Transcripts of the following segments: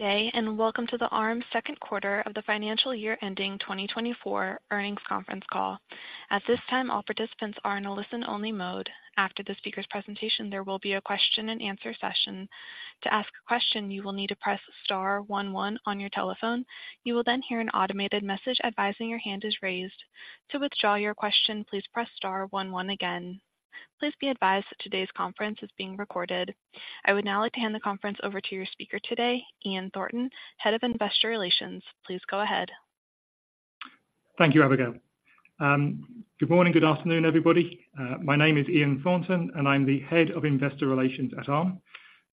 Welcome to the Arm second quarter of the financial year ending 2024 earnings conference call. At this time, all participants are in a listen-only mode. After the speaker's presentation, there will be a question-and-answer session. To ask a question, you will need to press star one one on your telephone. You will then hear an automated message advising your hand is raised. To withdraw your question, please press star one one again. Please be advised that today's conference is being recorded. I would now like to hand the conference over to your speaker today, Ian Thornton, head of Investor Relations. Please go ahead. Thank you, Abigail. Good morning, good afternoon, everybody. My name is Ian Thornton, and I'm the Head of Investor Relations at Arm.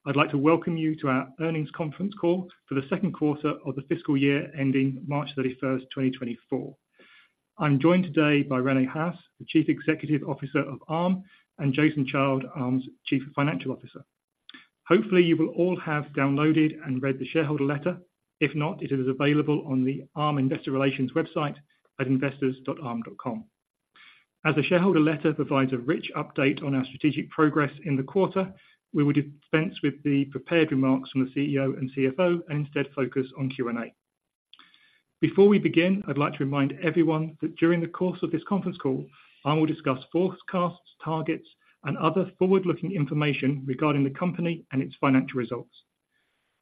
I'd like to welcome you to our earnings conference call for the second quarter of the fiscal year ending March 31st, 2024. I'm joined today by Rene Haas, the Chief Executive Officer of Arm, and Jason Child, Arm's Chief Financial Officer. Hopefully, you will all have downloaded and read the shareholder letter. If not, it is available on the Arm Investor Relations website at investors.arm.com. As the shareholder letter provides a rich update on our strategic progress in the quarter, we will dispense with the prepared remarks from the CEO and CFO and instead focus on Q&A. Before we begin, I'd like to remind everyone that during the course of this conference call, Arm will discuss forecasts, targets, and other forward-looking information regarding the company and its financial results.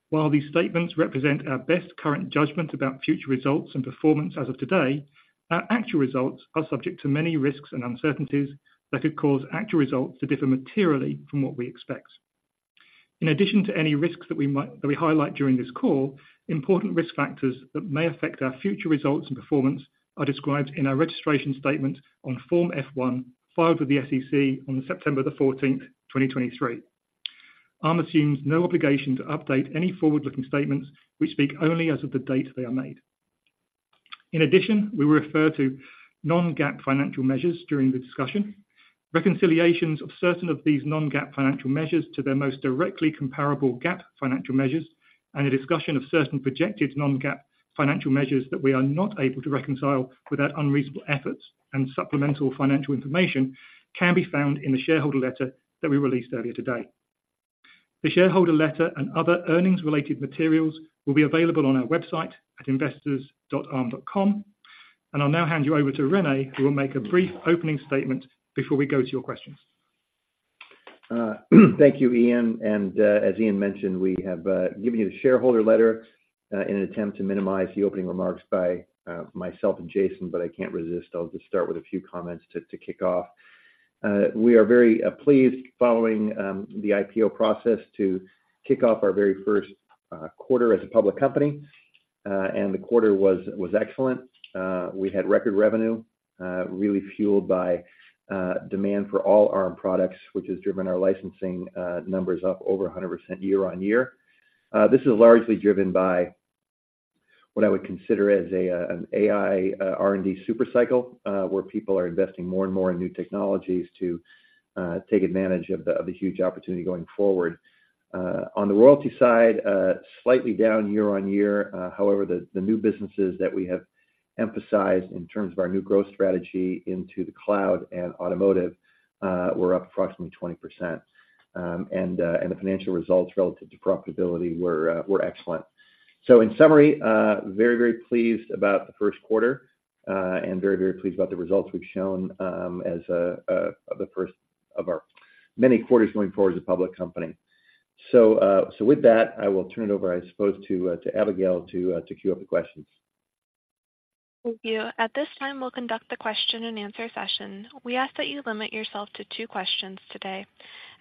While these statements represent our best current judgment about future results and performance as of today, our actual results are subject to many risks and uncertainties that could cause actual results to differ materially from what we expect. In addition to any risks that we highlight during this call, important risk factors that may affect our future results and performance are described in our registration statement on Form F-1, filed with the SEC on September 14, 2023. Arm assumes no obligation to update any forward-looking statements, which speak only as of the date they are made. In addition, we refer to non-GAAP financial measures during the discussion. Reconciliations of certain of these non-GAAP financial measures to their most directly comparable GAAP financial measures, and a discussion of certain projected non-GAAP financial measures that we are not able to reconcile without unreasonable efforts and supplemental financial information, can be found in the shareholder letter that we released earlier today. The shareholder letter and other earnings-related materials will be available on our website at investors.arm.com. I'll now hand you over to Rene, who will make a brief opening statement before we go to your questions. Thank you, Ian. As Ian mentioned, we have given you the shareholder letter in an attempt to minimize the opening remarks by myself and Jason, but I can't resist. I'll just start with a few comments to kick off. We are very pleased, following the IPO process, to kick off our very first quarter as a public company, and the quarter was excellent. We had record revenue, really fueled by demand for all Arm products, which has driven our licensing numbers up over 100% year-on-year. This is largely driven by what I would consider as an AI R&D super cycle, where people are investing more and more in new technologies to take advantage of the huge opportunity going forward. On the royalty side, slightly down year on year. However, the new businesses that we have emphasized in terms of our new growth strategy into the cloud and automotive were up approximately 20%. And the financial results relative to profitability were excellent. So in summary, very, very pleased about the first quarter, and very, very pleased about the results we've shown, as the first of our many quarters going forward as a public company. So with that, I will turn it over, I suppose, to Abigail to queue up the questions. Thank you. At this time, we'll conduct the question-and-answer session. We ask that you limit yourself to two questions today.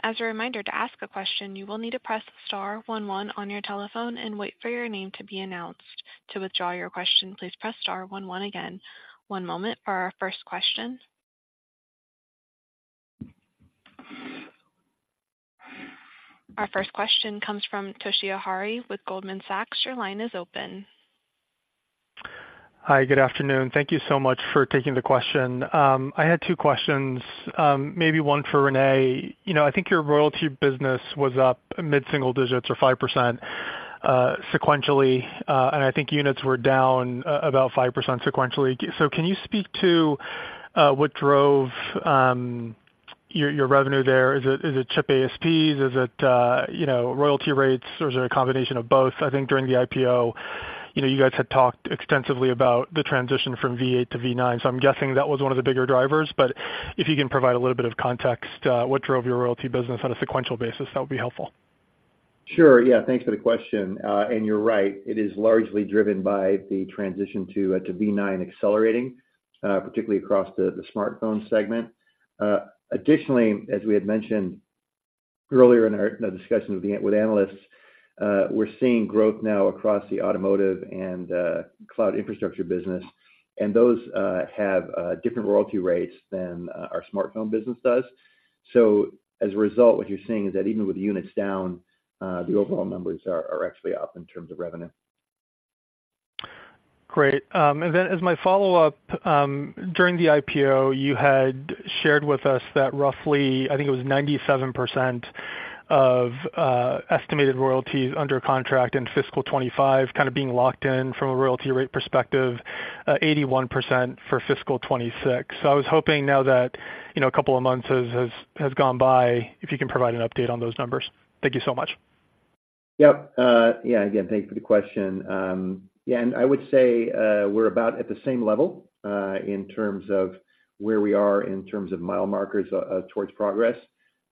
As a reminder, to ask a question, you will need to press star one one on your telephone and wait for your name to be announced. To withdraw your question, please press star one one again. One moment for our first question. Our first question comes from Toshiya Hari with Goldman Sachs. Your line is open. Hi, good afternoon. Thank you so much for taking the question. I had two questions, maybe one for Rene. You know, I think your royalty business was up mid-single digits or 5%, sequentially, and I think units were down, about five sequentially. So can you speak to, what drove, your, your revenue there? Is it, is it chip ASPs? Is it, you know, royalty rates, or is it a combination of both? I think during the IPO, you know, you guys had talked extensively about the transition from v8 to v9, so I'm guessing that was one of the bigger drivers. But if you can provide a little bit of context, what drove your royalty business on a sequential basis, that would be helpful? Sure. Yeah, thanks for the question. And you're right, it is largely driven by the transition to, to v9 accelerating, particularly across the, the smartphone segment. Additionally, as we had mentioned earlier in our, in our discussion with the, with analysts, we're seeing growth now across the automotive and, cloud infrastructure business, and those, have, different royalty rates than, our smartphone business does. So as a result, what you're seeing is that even with units down, the overall numbers are, actually up in terms of revenue. Great. And then as my follow-up, during the IPO, you had shared with us that roughly, I think it was 97% of estimated royalties under contract in fiscal 2025, kind of being locked in from a royalty rate perspective, 81% for fiscal 2026. So I was hoping now that, you know, a couple of months has gone by, if you can provide an update on those numbers? Thank you so much.... Yep. Yeah, again, thank you for the question. Yeah, and I would say, we're about at the same level, in terms of where we are in terms of mile markers, towards progress.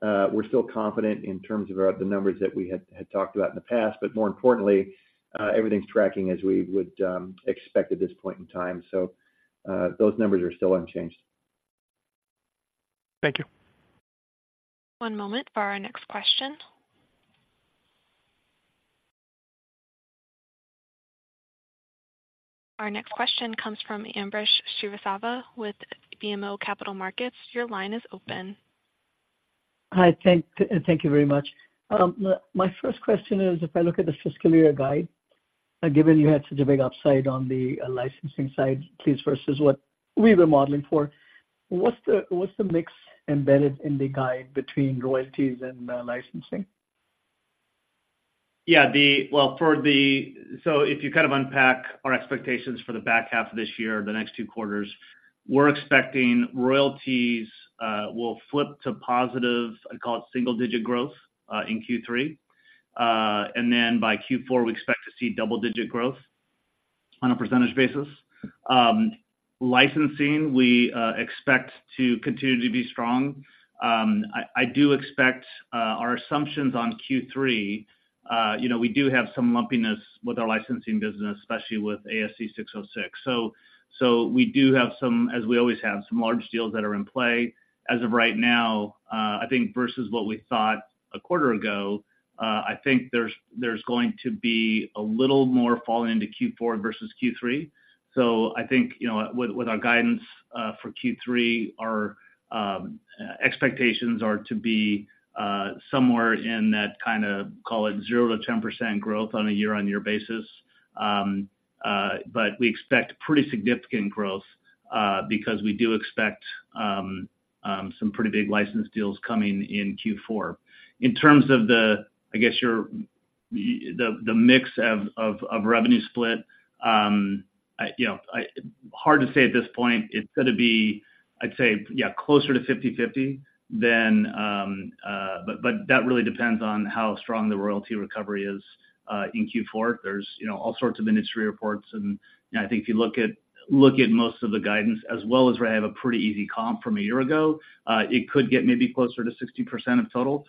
We're still confident in terms of, the numbers that we had, had talked about in the past, but more importantly, everything's tracking as we would, expect at this point in time. So, those numbers are still unchanged. Thank you. One moment for our next question. Our next question comes from Ambrish Srivastava with BMO Capital Markets. Your line is open. Hi, thank you very much. My first question is, if I look at the fiscal year guide, given you had such a big upside on the licensing side, please, versus what we were modeling for, what's the mix embedded in the guide between royalties and licensing? Yeah, well, so if you kind of unpack our expectations for the back half of this year, the next two quarters, we're expecting royalties will flip to positive, I'd call it single-digit growth in Q3. And then by Q4, we expect to see double-digit growth on a percentage basis. Licensing, we expect to continue to be strong. I do expect our assumptions on Q3, you know, we do have some lumpiness with our licensing business, especially with ASC 606. So we do have some, as we always have, some large deals that are in play. As of right now, I think versus what we thought a quarter ago, I think there's going to be a little more falling into Q4 versus Q3. So I think, you know, with our guidance for Q3, our expectations are to be somewhere in that kind of, call it, 0%-10% growth on a year-on-year basis. But we expect pretty significant growth because we do expect some pretty big license deals coming in Q4. In terms of the, I guess, the mix of revenue split, you know, hard to say at this point, it's gonna be, I'd say, yeah, closer to 50/50 than. But that really depends on how strong the royalty recovery is in Q4. There's, you know, all sorts of industry reports, and I think if you look at, look at most of the guidance, as well as where I have a pretty easy comp from a year ago, it could get maybe closer to 60% of total,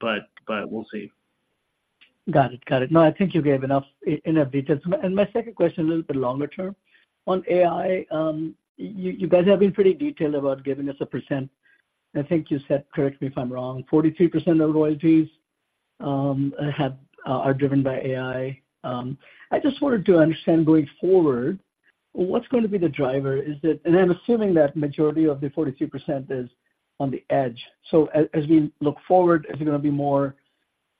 but, but we'll see. Got it. Got it. No, I think you gave enough details. And my second question, a little bit longer term. On AI, you guys have been pretty detailed about giving us a percent. I think you said, correct me if I'm wrong, 43% of the royalties are driven by AI. I just wanted to understand, going forward, what's going to be the driver? Is it - And I'm assuming that majority of the 42% is on the edge. So as we look forward, is it gonna be more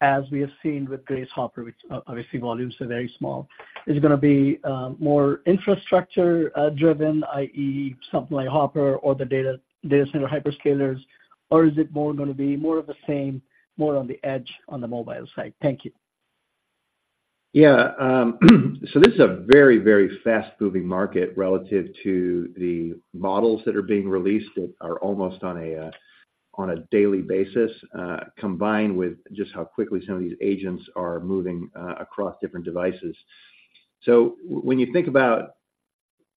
as we have seen with Grace Hopper, which obviously, volumes are very small? Is it gonna be more infrastructure driven, i.e., something like Hopper or the data center hyperscalers, or is it more gonna be more of the same, more on the edge, on the mobile side? Thank you. Yeah, so this is a very, very fast-moving market relative to the models that are being released that are almost on a daily basis, combined with just how quickly some of these agents are moving across different devices. So when you think about,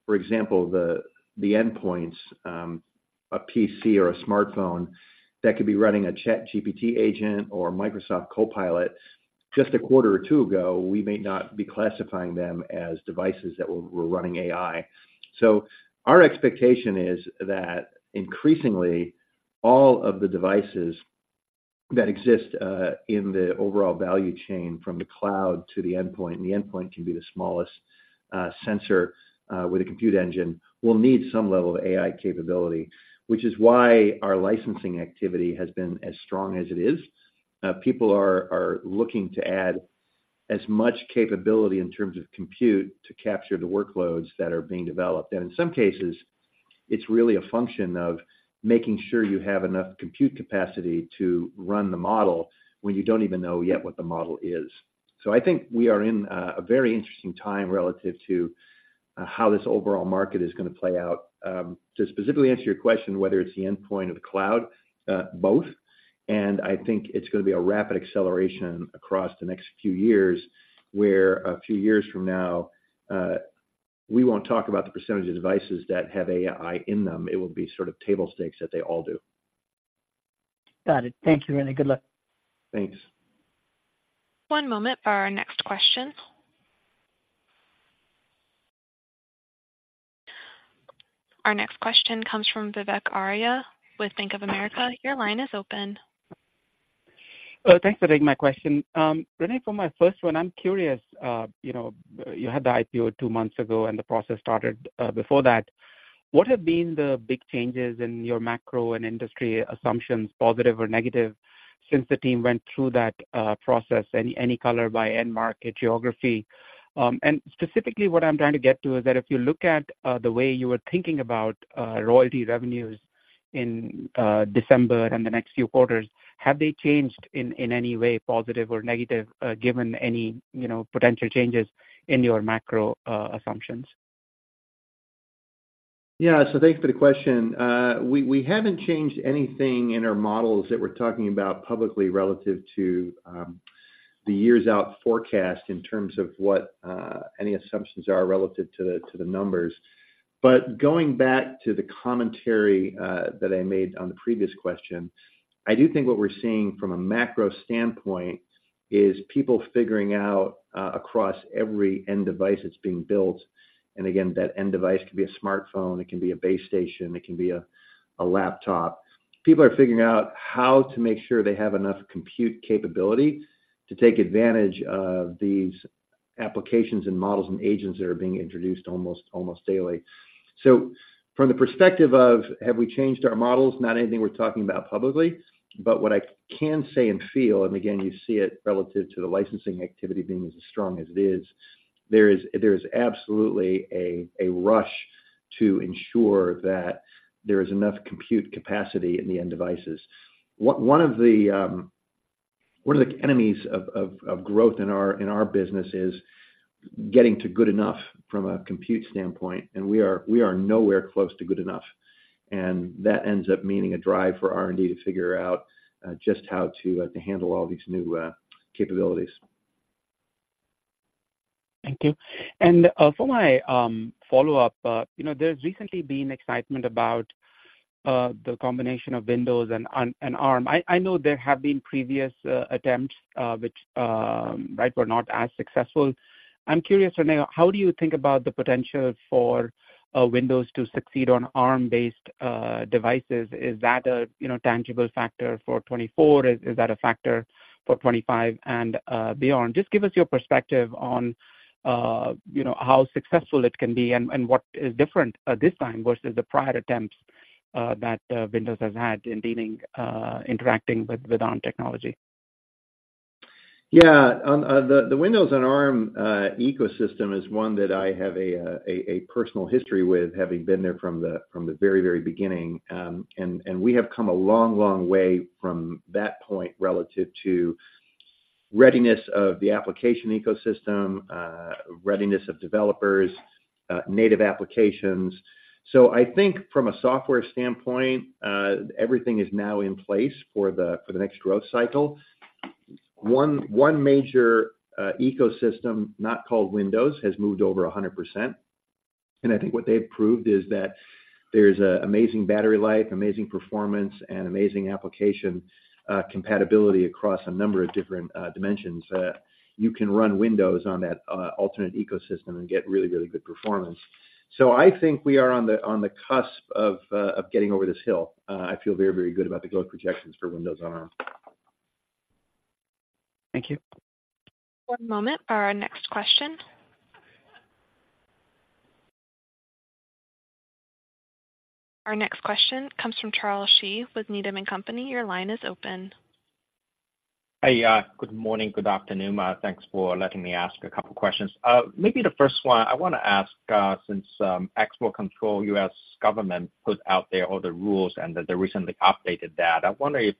for example, the endpoints, a PC or a smartphone that could be running a ChatGPT agent or a Microsoft Copilot, just a quarter or two ago, we may not be classifying them as devices that were running AI. So our expectation is that increasingly, all of the devices that exist in the overall value chain, from the cloud to the endpoint, and the endpoint can be the smallest sensor with a compute engine, will need some level of AI capability, which is why our licensing activity has been as strong as it is. People are looking to add as much capability in terms of compute to capture the workloads that are being developed. And in some cases, it's really a function of making sure you have enough compute capacity to run the model when you don't even know yet what the model is. So I think we are in a very interesting time relative to how this overall market is gonna play out. To specifically answer your question, whether it's the endpoint or the cloud, both, and I think it's gonna be a rapid acceleration across the next few years, where a few years from now, we won't talk about the percentage of devices that have AI in them. It will be sort of table stakes that they all do. Got it. Thank you, Rene. Good luck. Thanks. One moment for our next question. Our next question comes from Vivek Arya with Bank of America. Your line is open. Thanks for taking my question. Rene, for my first one, I'm curious, you know, you had the IPO two months ago, and the process started before that. What have been the big changes in your macro and industry assumptions, positive or negative, since the team went through that process? Any color by end market geography. And specifically, what I'm trying to get to is that if you look at the way you were thinking about royalty revenues in December and the next few quarters, have they changed in any way, positive or negative, given any potential changes in your macro assumptions?... Yeah, so thanks for the question. We haven't changed anything in our models that we're talking about publicly relative to the years out forecast in terms of what any assumptions are relative to the numbers. But going back to the commentary that I made on the previous question, I do think what we're seeing from a macro standpoint is people figuring out across every end device that's being built, and again, that end device can be a smartphone, it can be a base station, it can be a laptop. People are figuring out how to make sure they have enough compute capability to take advantage of these applications and models and agents that are being introduced almost daily. So from the perspective of, have we changed our models? Not anything we're talking about publicly, but what I can say and feel, and again, you see it relative to the licensing activity being as strong as it is, there is absolutely a rush to ensure that there is enough compute capacity in the end devices. One of the enemies of growth in our business is getting to good enough from a compute standpoint, and we are nowhere close to good enough, and that ends up meaning a drive for R&D to figure out just how to handle all these new capabilities. Thank you. For my follow-up, you know, there's recently been excitement about the combination of Windows and Arm. I know there have been previous attempts, which, right, were not as successful. I'm curious, Rene, how do you think about the potential for Windows to succeed on Arm-based devices? Is that a, you know, tangible factor for 2024? Is that a factor for 2025 and beyond? Just give us your perspective on, you know, how successful it can be and what is different this time versus the prior attempts that Windows has had in dealing, interacting with Arm technology? Yeah, on the Windows and Arm ecosystem is one that I have a personal history with, having been there from the very beginning. And we have come a long way from that point relative to readiness of the application ecosystem, readiness of developers, native applications. So I think from a software standpoint, everything is now in place for the next growth cycle. One major ecosystem, not called Windows, has moved over 100%, and I think what they've proved is that there's amazing battery life, amazing performance, and amazing application compatibility across a number of different dimensions. You can run Windows on that alternate ecosystem and get really good performance. So I think we are on the cusp of getting over this hill. I feel very, very good about the growth projections for Windows on Arm. Thank you. One moment for our next question. Our next question comes from Charles Shi with Needham and Company. Your line is open. Hey, good morning, good afternoon. Thanks for letting me ask a couple questions. Maybe the first one, I want to ask, since export control, U.S. government put out there all the rules and that they recently updated that, I wonder if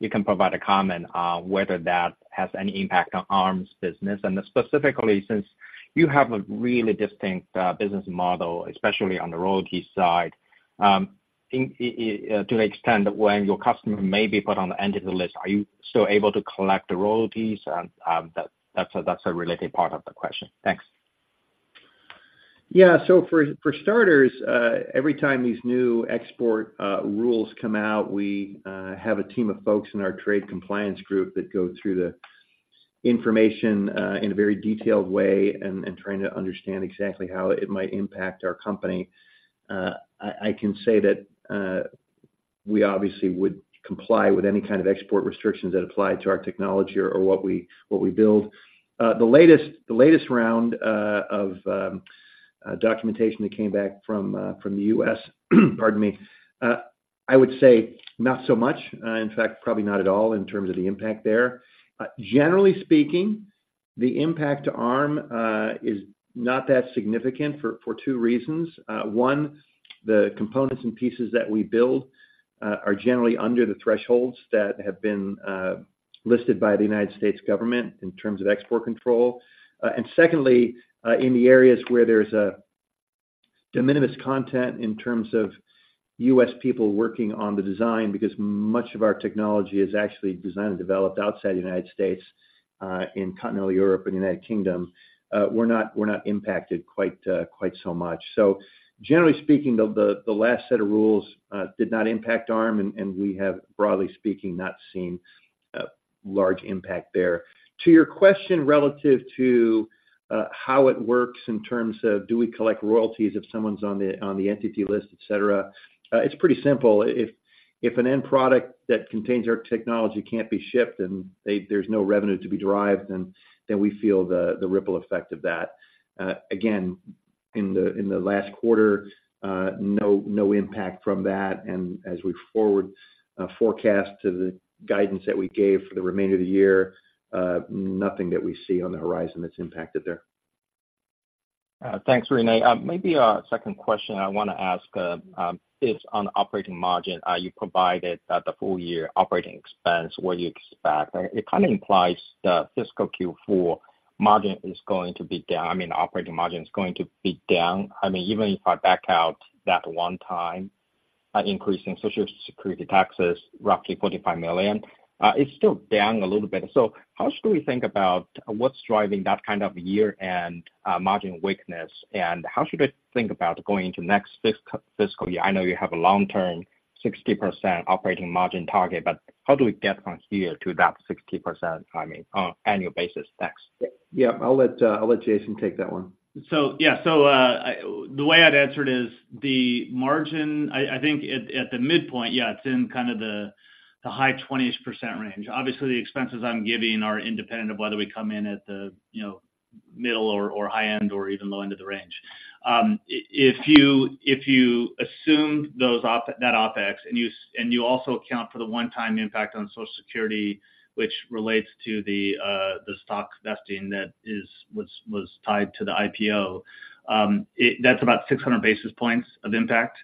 you can provide a comment on whether that has any impact on Arm's business? And specifically, since you have a really distinct business model, especially on the royalties side, to the extent when your customer may be put on the Entity List, are you still able to collect the royalties? And that, that's a related part of the question. Thanks. Yeah. So for starters, every time these new export rules come out, we have a team of folks in our trade compliance group that go through the information in a very detailed way and trying to understand exactly how it might impact our company. I can say that we obviously would comply with any kind of export restrictions that apply to our technology or what we build. The latest round of documentation that came back from the U.S., pardon me, I would say not so much, in fact, probably not at all in terms of the impact there. Generally speaking, the impact to Arm is not that significant for two reasons. One, the components and pieces that we build are generally under the thresholds that have been listed by the United States government in terms of export control. And secondly, in the areas where there's a de minimis content in terms of U.S. people working on the design, because much of our technology is actually designed and developed outside the United States, in continental Europe and the United Kingdom, we're not, we're not impacted quite, quite so much. So generally speaking, the last set of rules did not impact Arm, and we have, broadly speaking, not seen a large impact there. To your question relative to how it works in terms of do we collect royalties if someone's on the Entity List, et cetera? It's pretty simple. If, if an end product that contains our technology can't be shipped and there's no revenue to be derived, then, then we feel the, the ripple effect of that. Again, in the, in the last quarter, no, no impact from that. And as we forward forecast to the guidance that we gave for the remainder of the year, nothing that we see on the horizon that's impacted there. Thanks, Rene. Maybe a second question I want to ask is on operating margin. You provided the full year operating expense, what you expect. It kind of implies the fiscal Q4 margin is going to be down—I mean, operating margin is going to be down. I mean, even if I back out that one-time increase in Social Security taxes, roughly $45 million. It's still down a little bit. So how should we think about what's driving that kind of year-end margin weakness, and how should I think about going into next fiscal year? I know you have a long-term 60% operating margin target, but how do we get from here to that 60%, I mean, on annual basis next? Yeah, I'll let Jason take that one. So, yeah, so, the way I'd answer it is, the margin, I think at the midpoint, yeah, it's in kind of the high 20% range. Obviously, the expenses I'm giving are independent of whether we come in at the, you know, middle or high end or even low end of the range. If you assume those OpEx, and you also account for the one-time impact on Social Security, which relates to the stock vesting that was tied to the IPO, that's about 600 basis points of impact.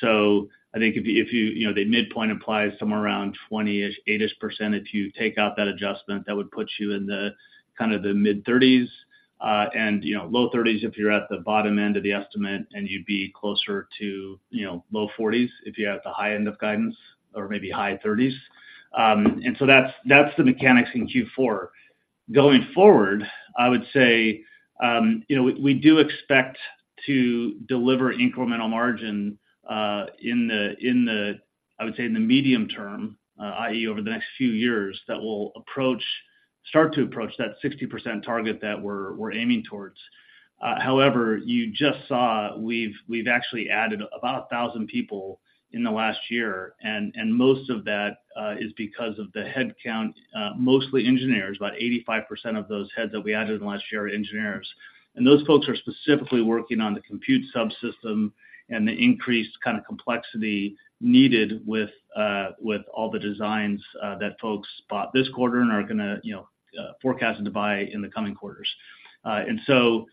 So I think if you, you know, the midpoint implies somewhere around 28%. If you take out that adjustment, that would put you in the kind of the mid-30s, and, you know, low 30s if you're at the bottom end of the estimate, and you'd be closer to, you know, low 40s if you're at the high end of guidance or maybe high 30s. And so that's, that's the mechanics in Q4. Going forward, I would say, you know, we, we do expect to deliver incremental margin, in the, in the, I would say, in the medium term, i.e., over the next few years, that will approach, start to approach that 60% target that we're, we're aiming towards. However, you just saw, we've, we've actually added about 1,000 people in the last year, and, and most of that, is because of the headcount, mostly engineers. About 85% of those heads that we added in the last year are engineers. And those folks are specifically working on the compute subsystem and the increased kind of complexity needed with all the designs that folks bought this quarter and are gonna, you know, forecasted to buy in the coming quarters. And so,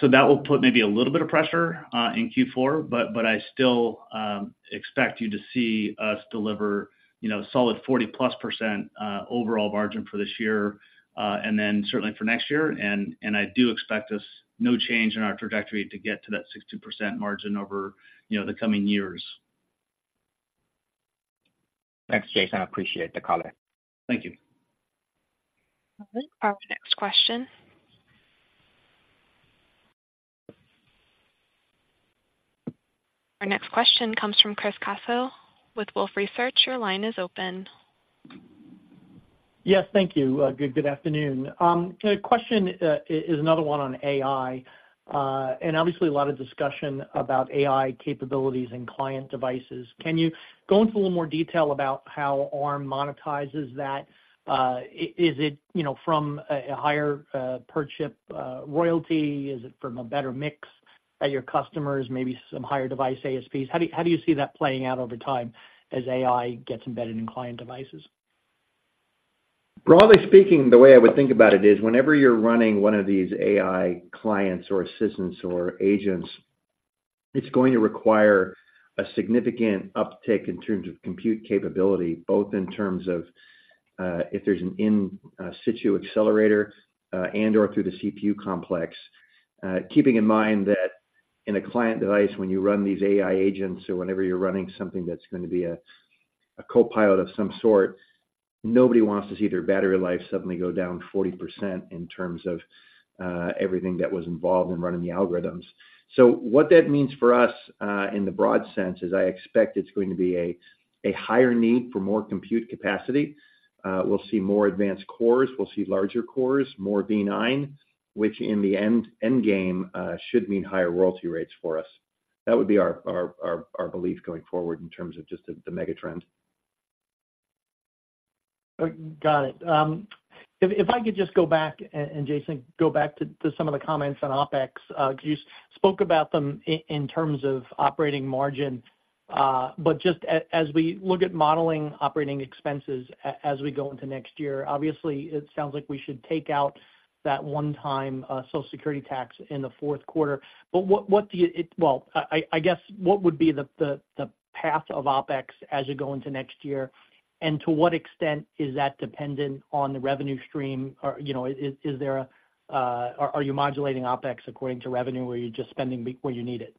so that will put maybe a little bit of pressure in Q4, but I still expect you to see us deliver, you know, a solid 40%+ overall margin for this year, and then certainly for next year. And, and I do expect us no change in our trajectory to get to that 60% margin over, you know, the coming years. Thanks, Jason. I appreciate the color. Thank you. All right, our next question. Our next question comes from Chris Caso with Wolfe Research. Your line is open. Yes, thank you. Good, good afternoon. The question is another one on AI, and obviously, a lot of discussion about AI capabilities and client devices. Can you go into a little more detail about how Arm monetizes that? Is it, you know, from a higher per-chip royalty? Is it from a better mix at your customers, maybe some higher device ASPs? How do you see that playing out over time as AI gets embedded in client devices? Broadly speaking, the way I would think about it is, whenever you're running one of these AI clients or assistants or agents, it's going to require a significant uptick in terms of compute capability, both in terms of if there's an in situ accelerator and/or through the CPU complex. Keeping in mind that in a client device, when you run these AI agents or whenever you're running something that's going to be a copilot of some sort, nobody wants to see their battery life suddenly go down 40% in terms of everything that was involved in running the algorithms. So what that means for us in the broad sense is I expect it's going to be a higher need for more compute capacity. We'll see more advanced cores, we'll see larger cores, more v9, which in the end game should mean higher royalty rates for us. That would be our belief going forward in terms of just the mega trend. Got it. If, if I could just go back, and, and Jason, go back to, to some of the comments on OpEx, because you spoke about them in terms of operating margin. But just as we look at modeling operating expenses as we go into next year, obviously, it sounds like we should take out that one-time, Social Security tax in the fourth quarter. But what, what do you... Well, I, I, I guess, what would be the, the, the path of OpEx as you go into next year? And to what extent is that dependent on the revenue stream? Or, you know, is, is there a... Are, are you modulating OpEx according to revenue, or are you just spending where you need it?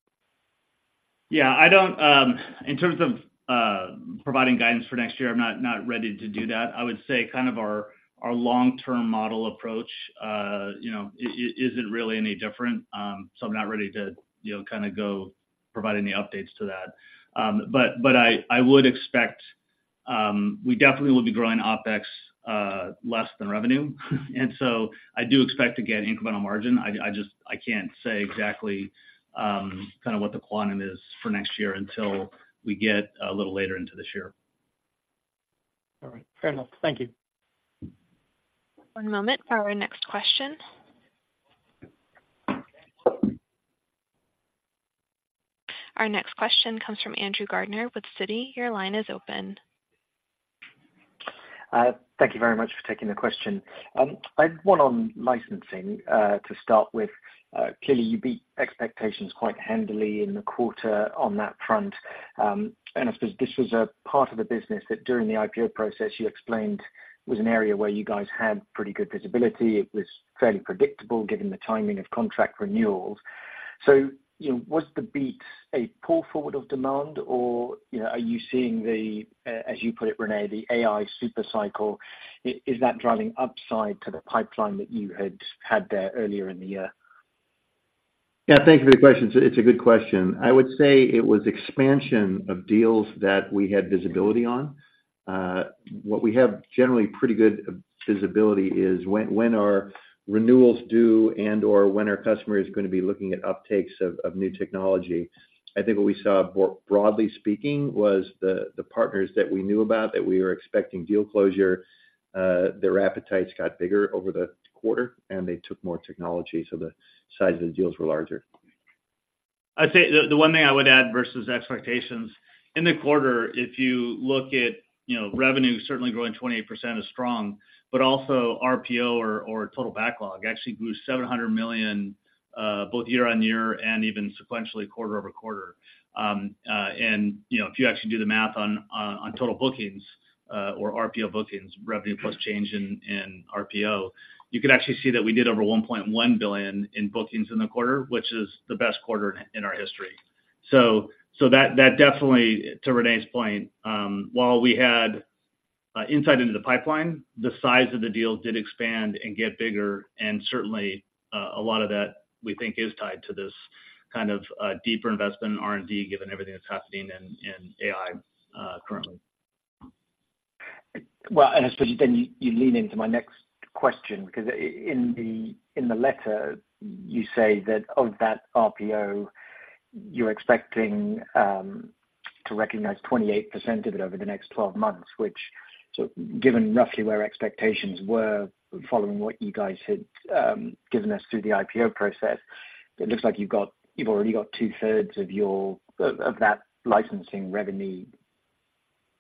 Yeah, I don't, in terms of providing guidance for next year, I'm not, not ready to do that. I would say kind of our, our long-term model approach, you know, is, isn't really any different. So I'm not ready to, you know, kind of go provide any updates to that. But, but I, I would expect, we definitely will be growing OpEx, less than revenue. And so I do expect to get incremental margin. I just, I can't say exactly, kind of what the quantum is for next year until we get a little later into this year. All right. Fair enough. Thank you. One moment for our next question. Our next question comes from Andrew Gardiner with Citi. Your line is open. Thank you very much for taking the question. I have one on licensing, to start with. Clearly, you beat expectations quite handily in the quarter on that front. I suppose this was a part of the business that, during the IPO process, you explained was an area where you guys had pretty good visibility. It was fairly predictable, given the timing of contract renewals.... So, you know, was the beat a pull-forward of demand, or, you know, are you seeing the, as you put it, Rene, the AI super cycle, is that driving upside to the pipeline that you had had there earlier in the year? Yeah, thank you for the question. It's a, it's a good question. I would say it was expansion of deals that we had visibility on. What we have generally pretty good visibility is when renewals are due and/or when our customer is gonna be looking at uptakes of new technology. I think what we saw, more broadly speaking, was the partners that we knew about, that we were expecting deal closure, their appetites got bigger over the quarter, and they took more technology, so the size of the deals were larger. I'd say the one thing I would add versus expectations, in the quarter, if you look at, you know, revenue certainly growing 28% is strong, but also RPO or total backlog actually grew $700 million, both year-on-year and even sequentially quarter-over-quarter. And, you know, if you actually do the math on total bookings, or RPO bookings, revenue plus change in RPO, you could actually see that we did over $1.1 billion in bookings in the quarter, which is the best quarter in our history. So, that definitely, to Rene's point, while we had insight into the pipeline, the size of the deal did expand and get bigger, and certainly a lot of that we think is tied to this kind of deeper investment in R&D, given everything that's happening in AI currently. Well, and especially then you lean into my next question, because in the letter, you say that of that RPO, you're expecting to recognize 28% of it over the next twelve months, which, so given roughly where expectations were following what you guys had given us through the IPO process, it looks like you've got, you've already got two-thirds of that licensing revenue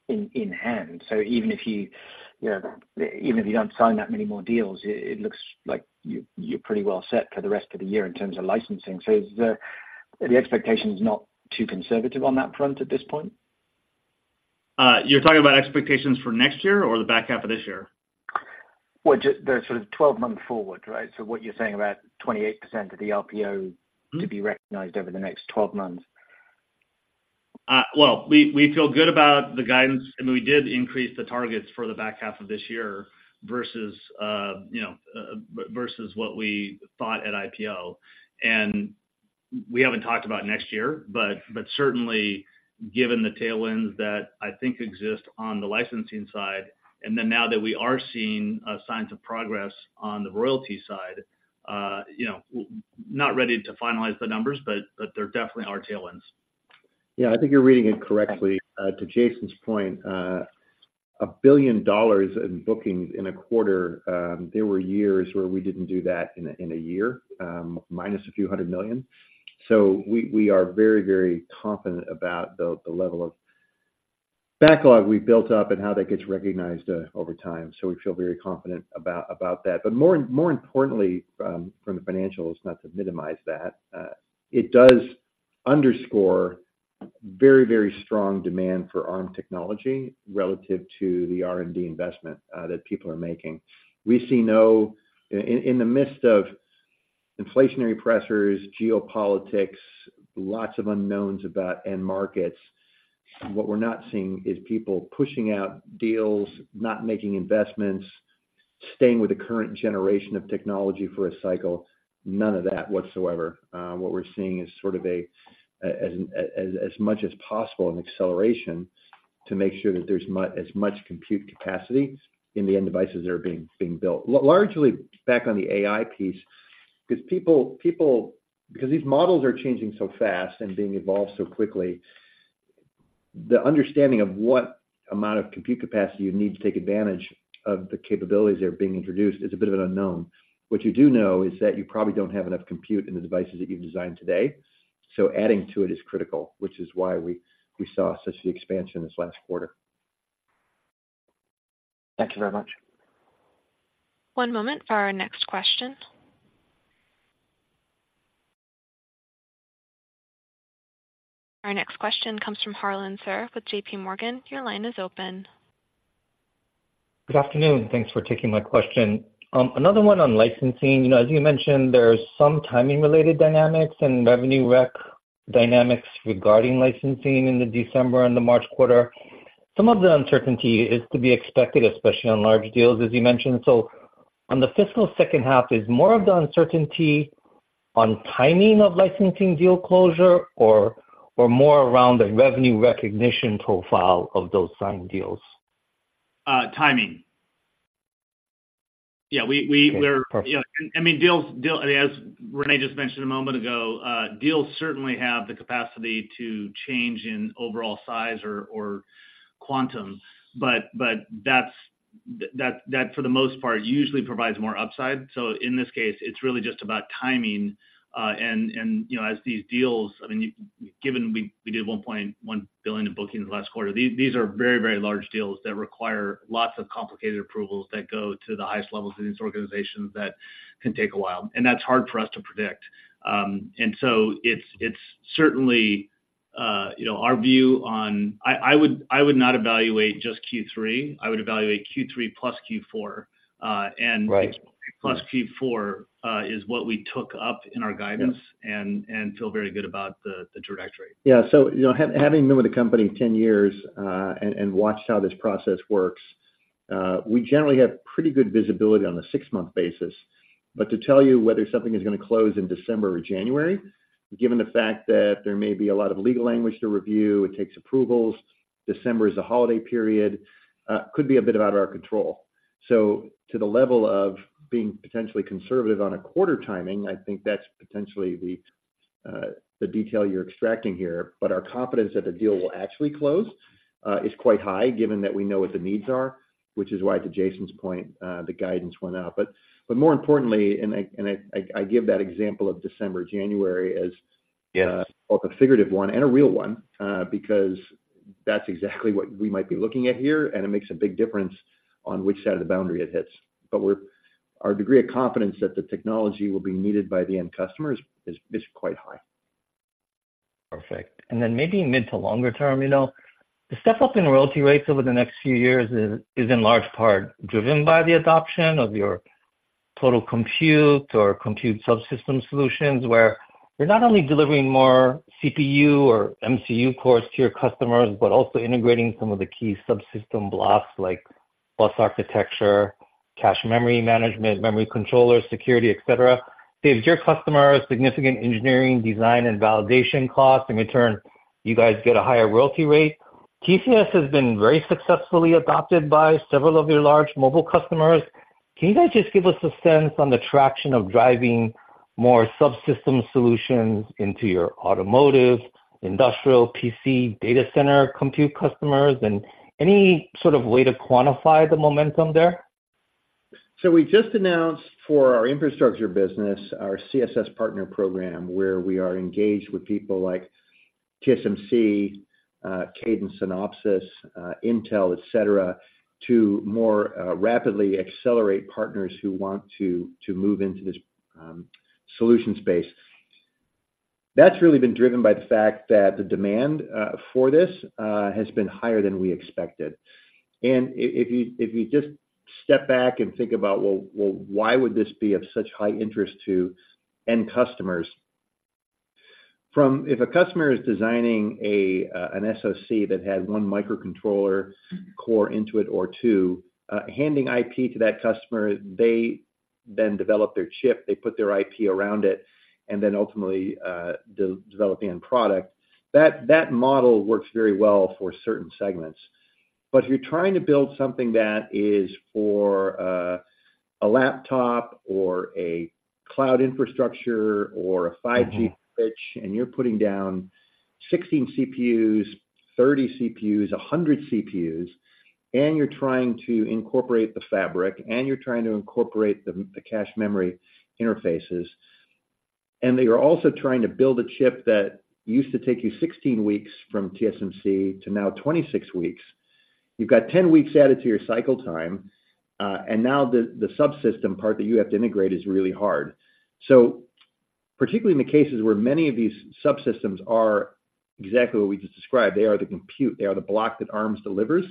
in hand. So even if you, you know, even if you don't sign that many more deals, it looks like you're pretty well set for the rest of the year in terms of licensing. So is the expectation not too conservative on that front at this point? You're talking about expectations for next year or the back half of this year? Well, just the sort of 12-month forward, right? So what you're saying about 28% of the RPO-to be recognized over the next 12 months? Well, we feel good about the guidance, and we did increase the targets for the back half of this year versus, you know, versus what we thought at IPO. And we haven't talked about next year, but certainly given the tailwinds that I think exist on the licensing side, and then now that we are seeing signs of progress on the royalty side, you know, not ready to finalize the numbers, but there definitely are tailwinds. Yeah, I think you're reading it correctly. To Jason's point, a billion dollars in bookings in a quarter, there were years where we didn't do that in a year, minus a few hundred million dollars. So we are very, very confident about the level of backlog we've built up and how that gets recognized over time. So we feel very confident about that. But more importantly, from the financials, not to minimize that, it does underscore very, very strong demand for Arm technology relative to the R&D investment that people are making. In the midst of inflationary pressures, geopolitics, lots of unknowns about end markets, what we're not seeing is people pushing out deals, not making investments, staying with the current generation of technology for a cycle, none of that whatsoever. What we're seeing is sort of an acceleration to make sure that there's as much compute capacity in the end devices that are being built. Largely back on the AI piece, because these models are changing so fast and being evolved so quickly, the understanding of what amount of compute capacity you need to take advantage of the capabilities that are being introduced is a bit of an unknown. What you do know is that you probably don't have enough compute in the devices that you've designed today, so adding to it is critical, which is why we saw such an expansion this last quarter. Thank you very much. One moment for our next question. Our next question comes from Harlan Sur with JP Morgan. Your line is open. Good afternoon. Thanks for taking my question. Another one on licensing. You know, as you mentioned, there's some timing-related dynamics and revenue rec dynamics regarding licensing in the December and the March quarter. Some of the uncertainty is to be expected, especially on large deals, as you mentioned. So on the fiscal second half, is more of the uncertainty on timing of licensing deal closure or, or more around the revenue recognition profile of those signed deals? Timing. Yeah, we- Okay, perfect. Yeah, I mean, as Rene just mentioned a moment ago, deals certainly have the capacity to change in overall size or quantum, but that's, for the most part, usually provides more upside. So in this case, it's really just about timing. You know, as these deals, I mean, given we did $1.1 billion in bookings last quarter, these are very, very large deals that require lots of complicated approvals that go to the highest levels of these organizations that can take a while, and that's hard for us to predict. So it's certainly you know, our view on, I would not evaluate just Q3, I would evaluate Q3 plus Q4. Right. Plus Q4 is what we took up in our guidance- Yes and feel very good about the trajectory. Yeah. So, you know, having been with the company 10 years, and watched how this process works, we generally have pretty good visibility on the 6-month basis. But to tell you whether something is gonna close in December or January, given the fact that there may be a lot of legal language to review, it takes approvals, December is a holiday period, could be a bit out of our control. So to the level of being potentially conservative on a quarter timing, I think that's potentially the detail you're extracting here. But our confidence that the deal will actually close is quite high, given that we know what the needs are, which is why, to Jason's point, the guidance went up. But more importantly, I give that example of December, January, as- Yes both a figurative one and a real one, because that's exactly what we might be looking at here, and it makes a big difference on which side of the boundary it hits. But our degree of confidence that the technology will be needed by the end customer is quite high. Perfect. And then maybe mid- to longer term, you know, the step up in royalty rates over the next few years is in large part driven by the adoption of your Total Compute or compute subsystem solutions, where you're not only delivering more CPU or MCU cores to your customers, but also integrating some of the key subsystem blocks, like bus architecture, cache memory management, memory controller, security, et cetera. It gives your customers significant engineering, design, and validation costs; in return, you guys get a higher royalty rate. TCS has been very successfully adopted by several of your large mobile customers. Can you guys just give us a sense on the traction of driving more subsystem solutions into your automotive, industrial, PC, data center, compute customers, and any sort of way to quantify the momentum there? So we just announced for our infrastructure business, our CSS partner program, where we are engaged with people like TSMC, Cadence, Synopsys, Intel, et cetera, to more rapidly accelerate partners who want to move into this solution space. That's really been driven by the fact that the demand for this has been higher than we expected. And if you just step back and think about, well, why would this be of such high interest to end customers? From -- if a customer is designing an SoC that has one microcontroller core into it or two, handing IP to that customer, they then develop their chip, they put their IP around it, and then ultimately developing end product. That model works very well for certain segments. But if you're trying to build something that is for, a laptop or a cloud infrastructure or a- ...5G switch, and you're putting down 16 CPUs, 30 CPUs, 100 CPUs, and you're trying to incorporate the fabric, and you're trying to incorporate the, the cache memory interfaces, and then you're also trying to build a chip that used to take you 16 weeks from TSMC to now 26 weeks, you've got 10 weeks added to your cycle time, and now the, the subsystem part that you have to integrate is really hard. So particularly in the cases where many of these subsystems are exactly what we just described, they are the compute, they are the block that Arm delivers,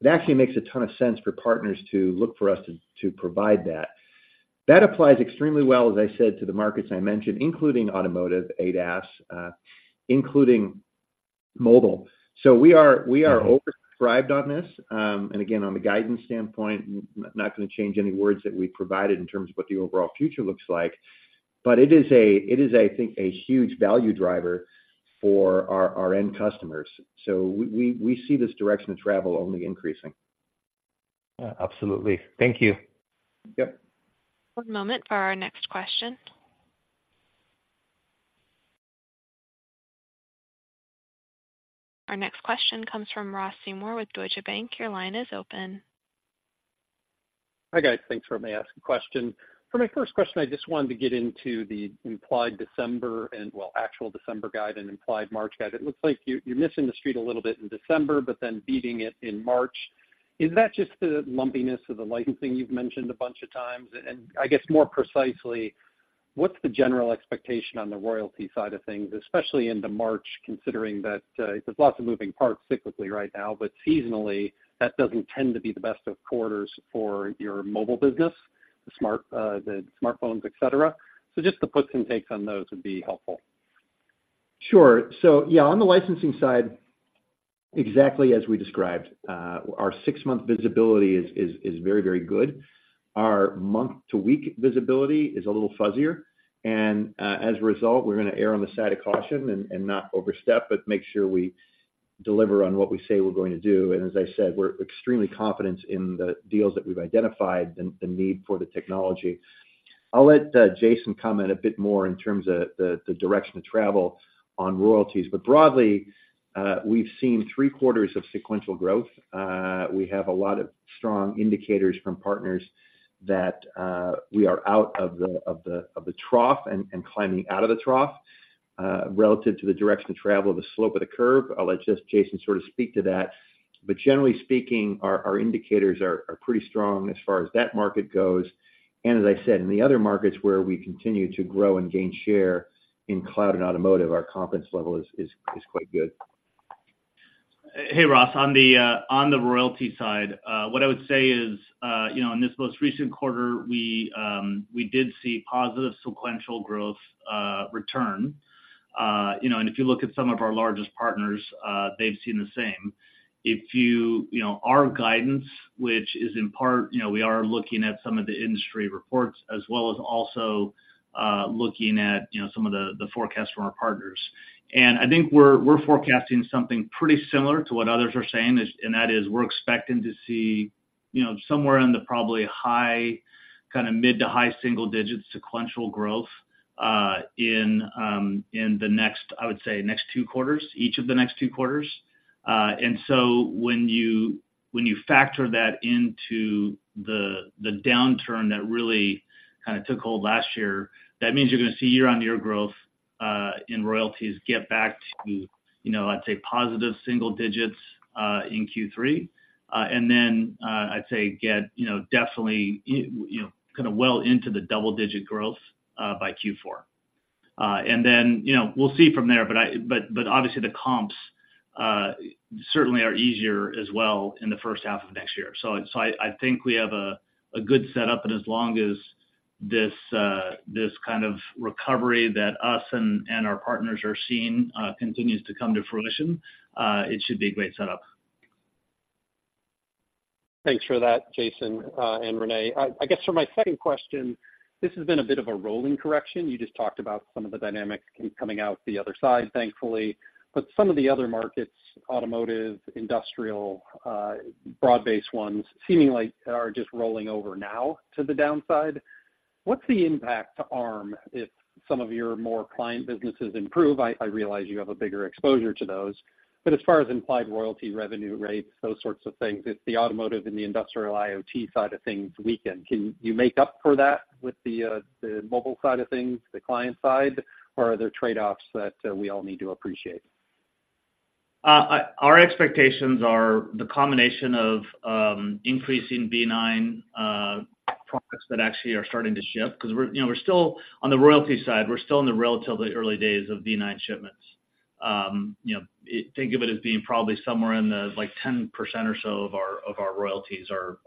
it actually makes a ton of sense for partners to look for us to, to provide that. That applies extremely well, as I said to the markets I mentioned, including automotive, ADAS, including mobile. So we are-... we are oversubscribed on this. And again, on the guidance standpoint, not gonna change any words that we provided in terms of what the overall future looks like. But it is a, it is, I think, a huge value driver for our, our end customers. So we, we, we see this direction of travel only increasing. Absolutely. Thank you. Yep. One moment for our next question. Our next question comes from Ross Seymore with Deutsche Bank. Your line is open. Hi, guys. Thanks for letting me ask a question. For my first question, I just wanted to get into the implied December and, well, actual December guide and implied March guide. It looks like you, you're missing the street a little bit in December, but then beating it in March. Is that just the lumpiness of the licensing you've mentioned a bunch of times? And I guess more precisely, what's the general expectation on the royalty side of things, especially into March, considering that there's lots of moving parts cyclically right now, but seasonally, that doesn't tend to be the best of quarters for your mobile business, the smartphones, et cetera? So just the puts and takes on those would be helpful. Sure. So yeah, on the licensing side, exactly as we described, our six-month visibility is very, very good. Our month to week visibility is a little fuzzier, and as a result, we're gonna err on the side of caution and not overstep, but make sure we deliver on what we say we're going to do. And as I said, we're extremely confident in the deals that we've identified and the need for the technology. I'll let Jason comment a bit more in terms of the direction of travel on royalties. But broadly, we've seen three quarters of sequential growth. We have a lot of strong indicators from partners that we are out of the trough and climbing out of the trough relative to the direction of travel of the slope of the curve. I'll let just Jason sort of speak to that. But generally speaking, our indicators are pretty strong as far as that market goes. And as I said, in the other markets where we continue to grow and gain share in cloud and automotive, our confidence level is quite good. Hey, Ross, on the royalty side, what I would say is, you know, in this most recent quarter, we did see positive sequential growth return. You know, and if you look at some of our largest partners, they've seen the same. If you... You know, our guidance, which is in part, you know, we are looking at some of the industry reports, as well as also, looking at, you know, some of the forecast from our partners. And I think we're forecasting something pretty similar to what others are saying, is, and that is we're expecting to see, you know, somewhere in the probably high, kind of mid to high single digits sequential growth, in the next, I would say, next two quarters, each of the next two quarters. And so when you factor that into the downturn that really kind of took hold last year, that means you're going to see year-on-year growth in royalties get back to, you know, I'd say, positive single digits in Q3. And then I'd say get, you know, definitely you know, kind of well into the double-digit growth by Q4. And then, you know, we'll see from there, but obviously the comps certainly are easier as well in the first half of next year. So I think we have a good setup, and as long as this kind of recovery that us and our partners are seeing continues to come to fruition, it should be a great setup. Thanks for that, Jason, and Rene. I guess for my second question, this has been a bit of a rolling correction. You just talked about some of the dynamics coming out the other side, thankfully. But some of the other markets, automotive, industrial, broad-based ones, seemingly are just rolling over now to the downside. What's the impact to Arm if some of your more client businesses improve? I realize you have a bigger exposure to those. But as far as implied royalty revenue rates, those sorts of things, if the automotive and the industrial IoT side of things weaken, can you make up for that with the mobile side of things, the client side, or are there trade-offs that we all need to appreciate? Our expectations are the combination of increasing v9 products that actually are starting to ship. Because we're, you know, we're still on the royalty side, we're still in the relatively early days of v9 shipments. You know, think of it as being probably somewhere in the, like, 10% or so of our royalties are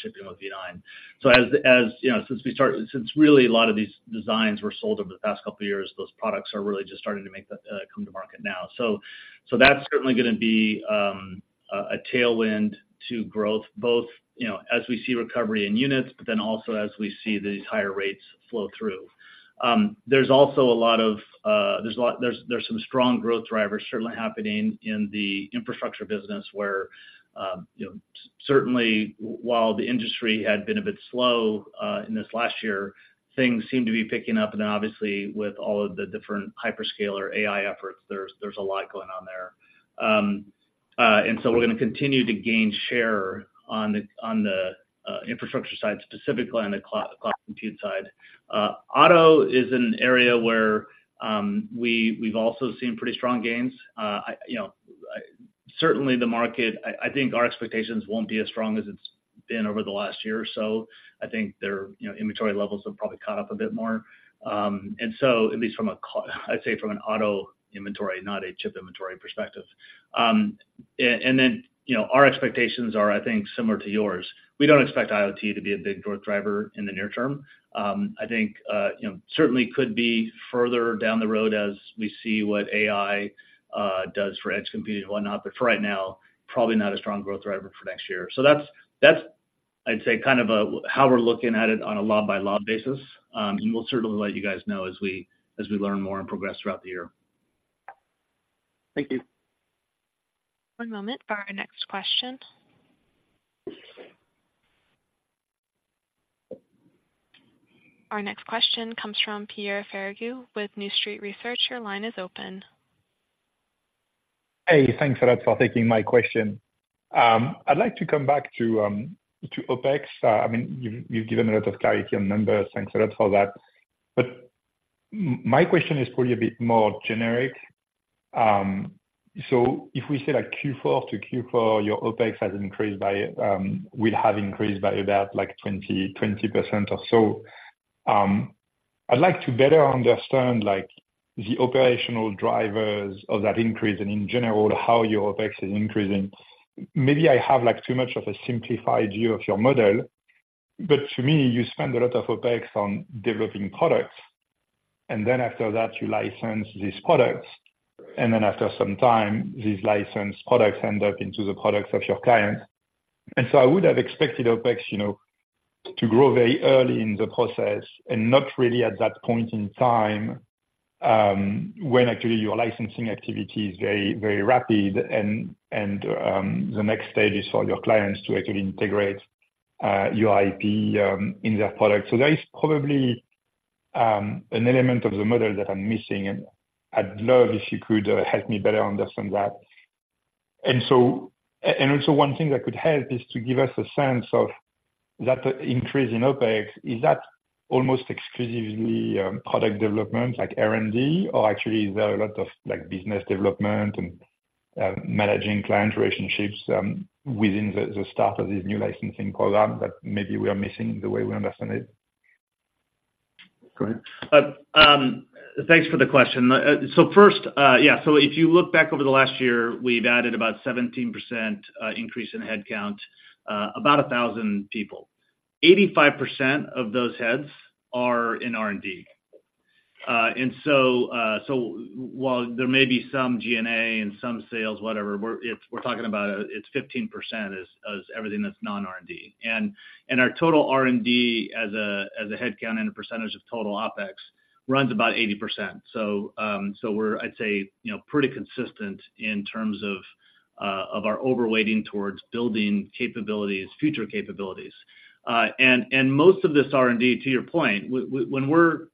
shipping with v9. So as you know, since really a lot of these designs were sold over the past couple of years, those products are really just starting to come to market now. So that's certainly going to be a tailwind to growth, both, you know, as we see recovery in units, but then also as we see these higher rates flow through. There's also a lot of, there's, there are some strong growth drivers certainly happening in the infrastructure business where, you know, certainly, while the industry had been a bit slow, in this last year, things seem to be picking up. And obviously, with all of the different hyperscaler AI efforts, there's a lot going on there. And so we're going to continue to gain share on the infrastructure side, specifically on the cloud compute side. Auto is an area where, we, we've also seen pretty strong gains. I, you know, certainly the market, I, I think our expectations won't be as strong as it's been over the last year or so. I think their, you know, inventory levels have probably caught up a bit more. And so at least from an auto inventory, not a chip inventory perspective. And then, you know, our expectations are, I think, similar to yours. We don't expect IoT to be a big growth driver in the near term. I think, you know, certainly could be further down the road as we see what AI does for edge compute and whatnot, but for right now, probably not a strong growth driver for next year. So that's, that's, I'd say, kind of, how we're looking at it on a lot by lot basis. And we'll certainly let you guys know as we, as we learn more and progress throughout the year. Thank you. One moment for our next question. Our next question comes from Pierre Ferragu with New Street Research. Your line is open. Hey, thanks a lot for taking my question. I'd like to come back to OpEx. I mean, you've given a lot of clarity on numbers. Thanks a lot for that. But my question is probably a bit more generic. So if we say like Q4 to Q4, your OpEx has increased by, will have increased by about like 20% or so? I'd like to better understand, like, the operational drivers of that increase and in general, how your OpEx is increasing? Maybe I have, like, too much of a simplified view of your model, but to me, you spend a lot of OpEx on developing products, and then after that, you license these products, and then after some time, these licensed products end up into the products of your clients. I would have expected OpEx, you know, to grow very early in the process and not really at that point in time, when actually your licensing activity is very, very rapid and the next stage is for your clients to actually integrate your IP in their product. So there is probably an element of the model that I'm missing, and I'd love if you could help me better understand that? And so, and also one thing that could help is to give us a sense of that increase in OpEx, is that almost exclusively product development like R&D? Or actually is there a lot of, like, business development and managing client relationships within the start of this new licensing program that maybe we are missing the way we understand it? Go ahead. Thanks for the question. So first, yeah, so if you look back over the last year, we've added about 17% increase in headcount, about 1,000 people. 85% of those heads are in R&D. And so, while there may be some G&A and some sales, whatever, we're, if we're talking about, it's 15% is everything that's non-R&D. And our total R&D as a headcount and a percentage of total OpEx runs about 80%. So we're, I'd say, you know, pretty consistent in terms of our overweighting towards building capabilities, future capabilities. And most of this R&D, to your point, when we're...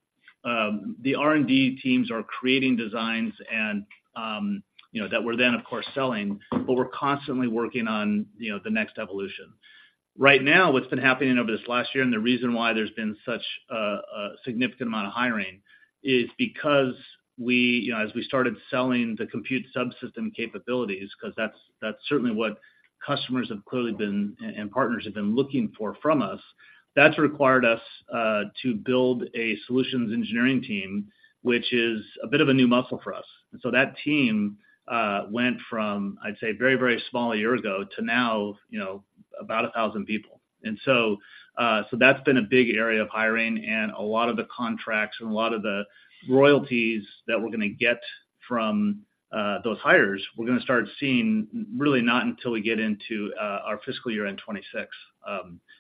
The R&D teams are creating designs and, you know, that we're then, of course, selling, but we're constantly working on, you know, the next evolution. Right now, what's been happening over this last year, and the reason why there's been such a significant amount of hiring, is because we, you know, as we started selling the Compute Subsystem capabilities, 'cause that's certainly what customers have clearly been, and partners have been looking for from us. That's required us to build a solutions engineering team, which is a bit of a new muscle for us. And so that team went from, I'd say, very, very small a year ago, to now, you know, about 1,000 people. So that's been a big area of hiring, and a lot of the contracts and a lot of the royalties that we're gonna get from those hires, we're gonna start seeing really not until we get into our fiscal year end 2026,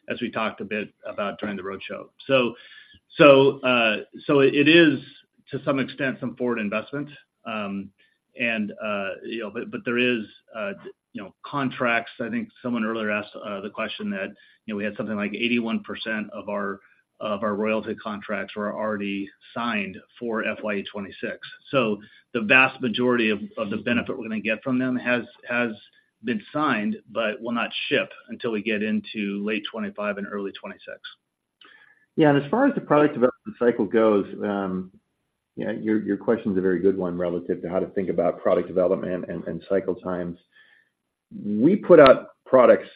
as we talked a bit about during the roadshow. So it is, to some extent, some forward investment. And you know, but there is you know, contracts. I think someone earlier asked the question that you know, we had something like 81% of our royalty contracts were already signed for FY 2026. So the vast majority of the benefit we're gonna get from them has been signed, but will not ship until we get into late 2025 and early 2026. Yeah, and as far as the product development cycle goes, yeah, your, your question is a very good one relative to how to think about product development and, and cycle times. We put out products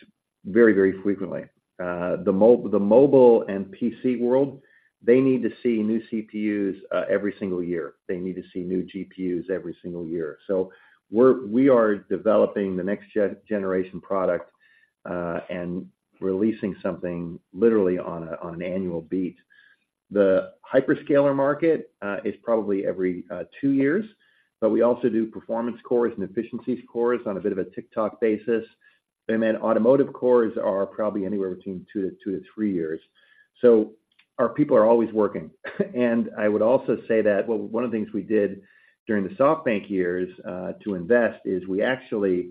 very, very frequently. The mobile and PC world, they need to see new CPUs every single year. They need to see new GPUs every single year. So we are developing the next generation product, and releasing something literally on an annual beat. The hyperscaler market is probably every two years, but we also do performance cores and efficiency cores on a bit of a tick-tock basis. And then automotive cores are probably anywhere between two to three years. So our people are always working. I would also say that, well, one of the things we did during the SoftBank years to invest is we actually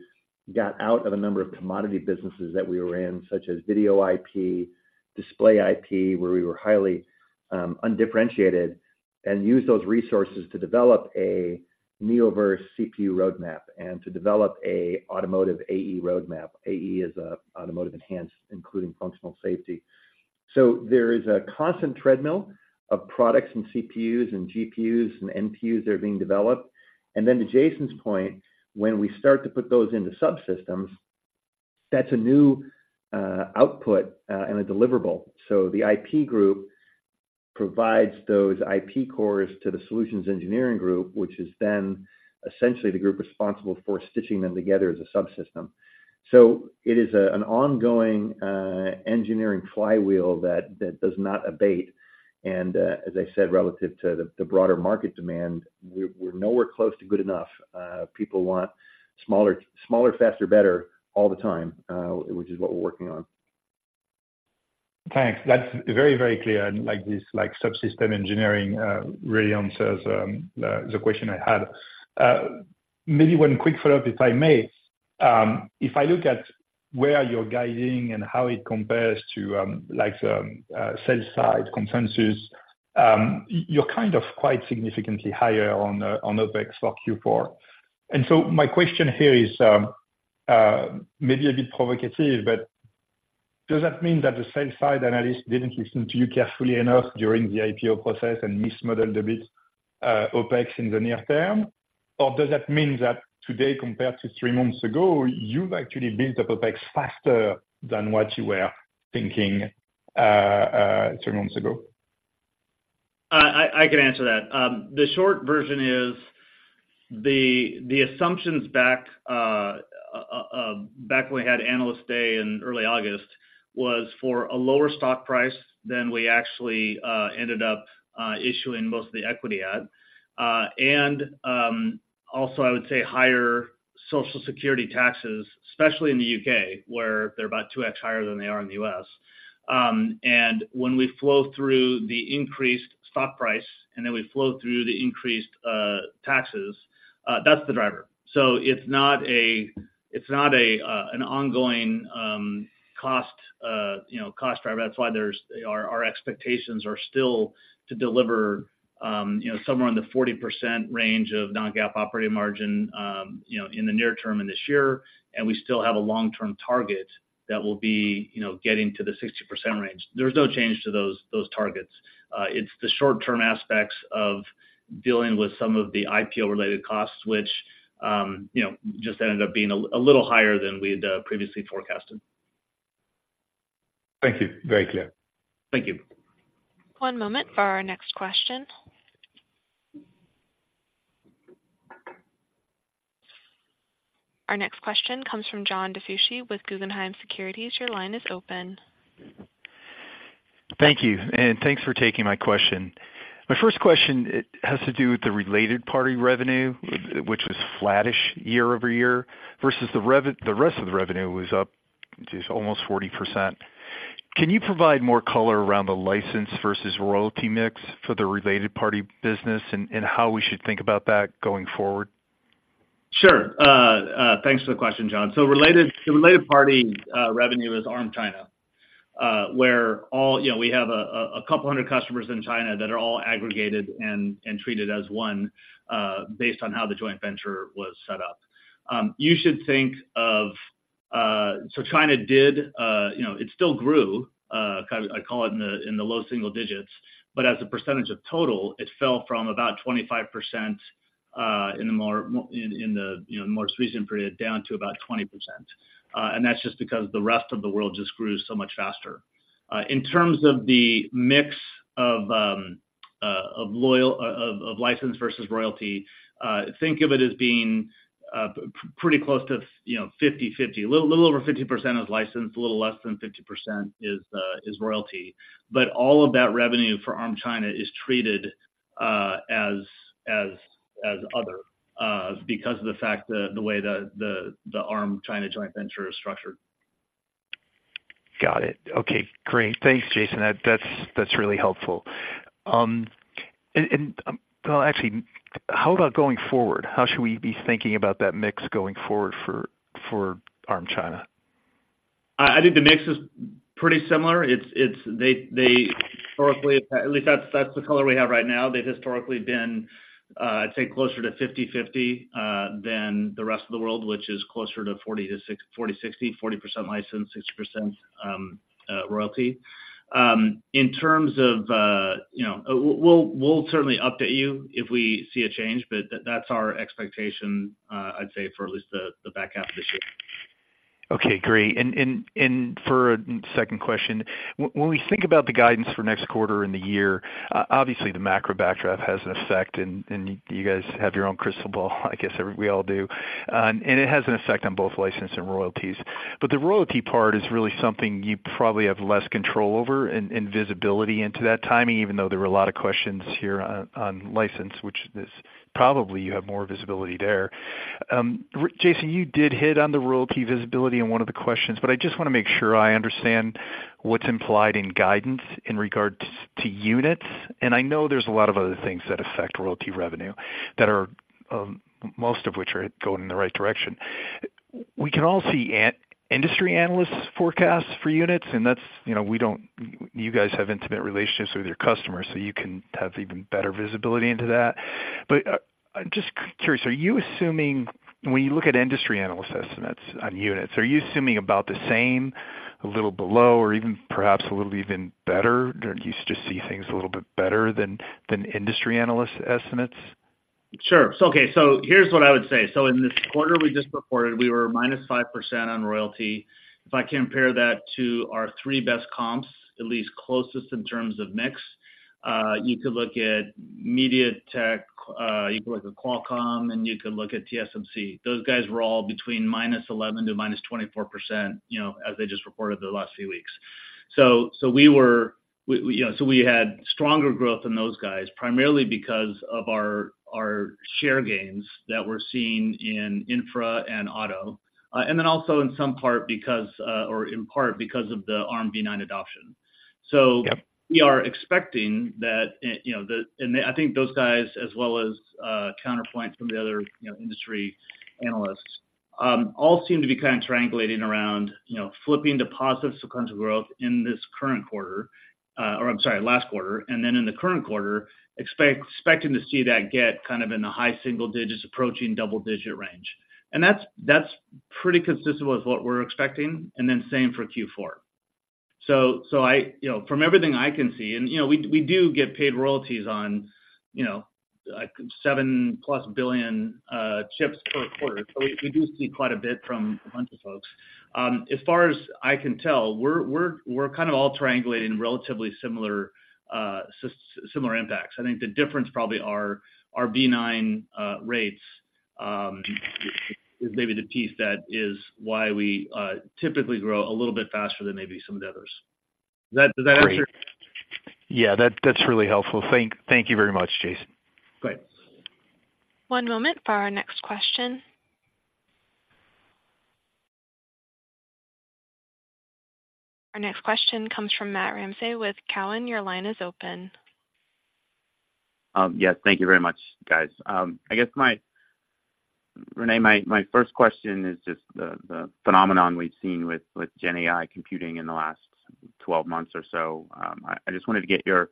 got out of a number of commodity businesses that we were in, such as video IP, display IP, where we were highly undifferentiated, and used those resources to develop a Neoverse CPU roadmap and to develop an automotive AE roadmap. AE is automotive enhanced, including functional safety. So there is a constant treadmill of products and CPUs and GPUs and NPUs that are being developed. And then to Jason's point, when we start to put those into subsystems, that's a new output and a deliverable. So the IP group provides those IP cores to the solutions engineering group, which is then essentially the group responsible for stitching them together as a subsystem. So it is an ongoing engineering flywheel that does not abate. And as I said, relative to the broader market demand, we're nowhere close to good enough. People want smaller, faster, better all the time, which is what we're working on. Thanks. That's very, very clear. And like this, like, subsystem engineering really answers the question I had. Maybe one quick follow-up, if I may. If I look at where you're guiding and how it compares to, like, sell-side consensus, you're kind of quite significantly higher on on OpEx for Q4? And so my question here is, maybe a bit provocative, but does that mean that the sell-side analysts didn't listen to you carefully enough during the IPO process and mismodeled a bit OpEx in the near term? Or does that mean that today, compared to three months ago, you've actually built the OpEx faster than what you were thinking three months ago? I can answer that. The short version is, the assumptions back when we had Analyst Day in early August was for a lower stock price than we actually ended up issuing most of the equity at. And also, I would say higher Social Security taxes, especially in the U.K., where they're about 2x higher than they are in the U.S. And when we flow through the increased stock price, and then we flow through the increased taxes, that's the driver. So it's not an ongoing cost, you know, cost driver. That's why our expectations are still to deliver, you know, somewhere in the 40% range of non-GAAP operating margin, you know, in the near term and this year, and we still have a long-term target that will be, you know, getting to the 60% range. There's no change to those targets. It's the short-term aspects of dealing with some of the IPO-related costs, which, you know, just ended up being a little higher than we'd previously forecasted. Thank you. Very clear. Thank you. One moment for our next question. Our next question comes from John DiFucci with Guggenheim Securities. Your line is open. Thank you, and thanks for taking my question. My first question, it has to do with the related party revenue, which was flattish year-over-year, versus the rest of the revenue was up just almost 40%. Can you provide more color around the license versus royalty mix for the related party business and, and how we should think about that going forward? Sure. Thanks for the question, John. So related, the related party revenue is Arm China, where all, you know, we have a couple hundred customers in China that are all aggregated and treated as one, based on how the joint venture was set up. You should think of... So China did, you know, it still grew, kind of I call it in the low single digits, but as a percentage of total, it fell from about 25%, in the more recent period, down to about 20%. And that's just because the rest of the world just grew so much faster. In terms of the mix of license versus royalty, think of it as being pretty close to, you know, 50/50. A little over 50% is licensed, a little less than 50% is royalty. But all of that revenue for Arm China is treated as other, because of the fact that the way the Arm China joint venture is structured. Got it. Okay, great. Thanks, Jason. That's really helpful. Well, actually, how about going forward? How should we be thinking about that mix going forward for Arm China? I think the mix is pretty similar. It's they historically, at least that's the color we have right now. They've historically been, I'd say, closer to 50/50 than the rest of the world, which is closer to 40% to 60%- 40/60, 40% licensed, 60% royalty. In terms of, you know, we'll certainly update you if we see a change, but that's our expectation, I'd say, for at least the back half of this year. Okay, great. And for a second question, when we think about the guidance for next quarter and the year, obviously the macro backdrop has an effect, and you guys have your own crystal ball, I guess we all do. And it has an effect on both license and royalties. But the royalty part is really something you probably have less control over and visibility into that timing, even though there were a lot of questions here on license, which is probably you have more visibility there. Jason, you did hit on the royalty visibility in one of the questions, but I just want to make sure I understand what's implied in guidance in regards to units. And I know there's a lot of other things that affect royalty revenue that are most of which are going in the right direction. We can all see industry analysts' forecasts for units, and that's, you know, we don't... You guys have intimate relationships with your customers, so you can have even better visibility into that. But, I'm just curious, are you assuming when you look at industry analyst estimates on units, are you assuming about the same, a little below, or even perhaps a little even better, don't you just see things a little bit better than, than industry analyst estimates? Sure. So, okay, so here's what I would say. So in this quarter we just reported we were -5% on royalty. If I compare that to our three best comps, at least closest in terms of mix, you could look at MediaTek, you could look at Qualcomm, and you could look at TSMC. Those guys were all between -11% to -24%, you know, as they just reported the last few weeks. So, so we were, we, you know, so we had stronger growth than those guys, primarily because of our, our share gains that we're seeing in infra and auto. And then also in some part because, or in part, because of the Armv9 adoption. Yep. So we are expecting that, you know, the- and I think those guys, as well as, Counterpoint from the other, you know, industry analysts, all seem to be kind of triangulating around, you know, flipping to positive sequential growth in this current quarter, or I'm sorry, last quarter, and then in the current quarter, expecting to see that get kind of in the high single digits, approaching double-digit range. And that's, that's pretty consistent with what we're expecting, and then same for Q4. So, so I... You know, from everything I can see, and, you know, we, we do get paid royalties on, you know, like $7+ billion, chips per quarter. So we, we do see quite a bit from a bunch of folks. As far as I can tell, we're, we're, we're kind of all triangulating relatively similar, similar impacts. I think the difference probably are our v9 rates is maybe the piece that is why we typically grow a little bit faster than maybe some of the others. Does that answer? Great. Yeah, that's really helpful. Thank you very much, Jason. Great. One moment for our next question. Our next question comes from Matt Ramsay with Cowen. Your line is open. Yes, thank you very much, guys. I guess my first question is just the phenomenon we've seen with GenAI computing in the last 12 months or so. I just wanted to get your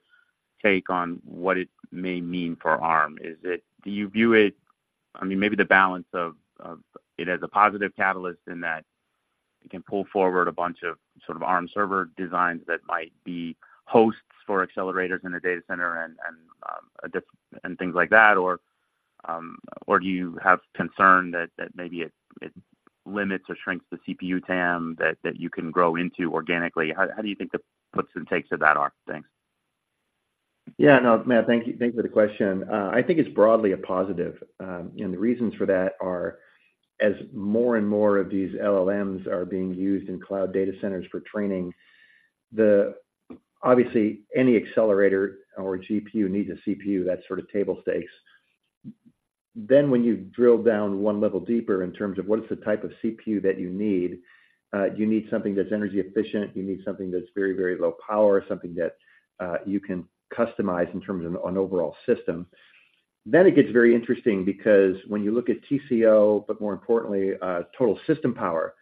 take on what it may mean for Arm. Is it—do you view it, I mean, maybe the balance of it, as a positive catalyst in that it can pull forward a bunch of sort of Arm server designs that might be hosts for accelerators in a data center and things like that, or do you have concern that maybe it limits or shrinks the CPU TAM that you can grow into organically? How do you think the puts and takes of that are? Thanks. Yeah. No, Matt, thank you. Thank you for the question. I think it's broadly a positive, and the reasons for that are, as more and more of these LLMs are being used in cloud data centers for training, obviously, any accelerator or GPU needs a CPU, that's sort of table stakes. Then, when you drill down one level deeper in terms of what is the type of CPU that you need, you need something that's energy efficient, you need something that's very, very low power, something that you can customize in terms of an overall system. Then it gets very interesting because when you look at TCO, but more importantly, total system power,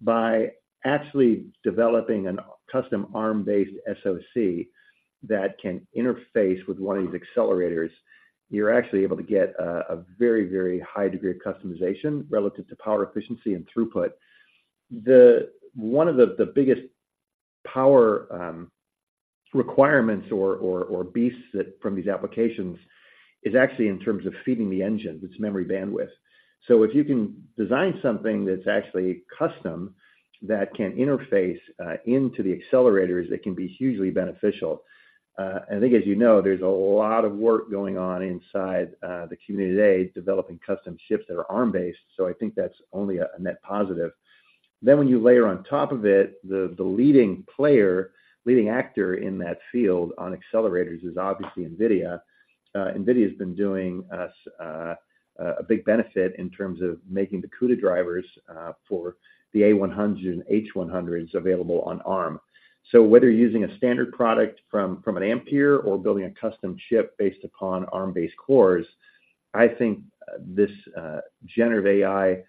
by actually developing a custom Arm-based SoC that can interface with one of these accelerators, you're actually able to get a very, very high degree of customization relative to power efficiency and throughput. One of the biggest power requirements or beasts that from these applications is actually in terms of feeding the engine, its memory bandwidth. So if you can design something that's actually custom, that can interface into the accelerators, it can be hugely beneficial. I think, as you know, there's a lot of work going on inside the community today, developing custom chips that are Arm-based, so I think that's only a net positive. Then when you layer on top of it, the leading player, leading actor in that field on accelerators is obviously NVIDIA. NVIDIA's been doing us a big benefit in terms of making the CUDA drivers for the A100 and H100s available on Arm. So whether you're using a standard product from Ampere or building a custom chip based upon Arm-based cores, I think this generative AI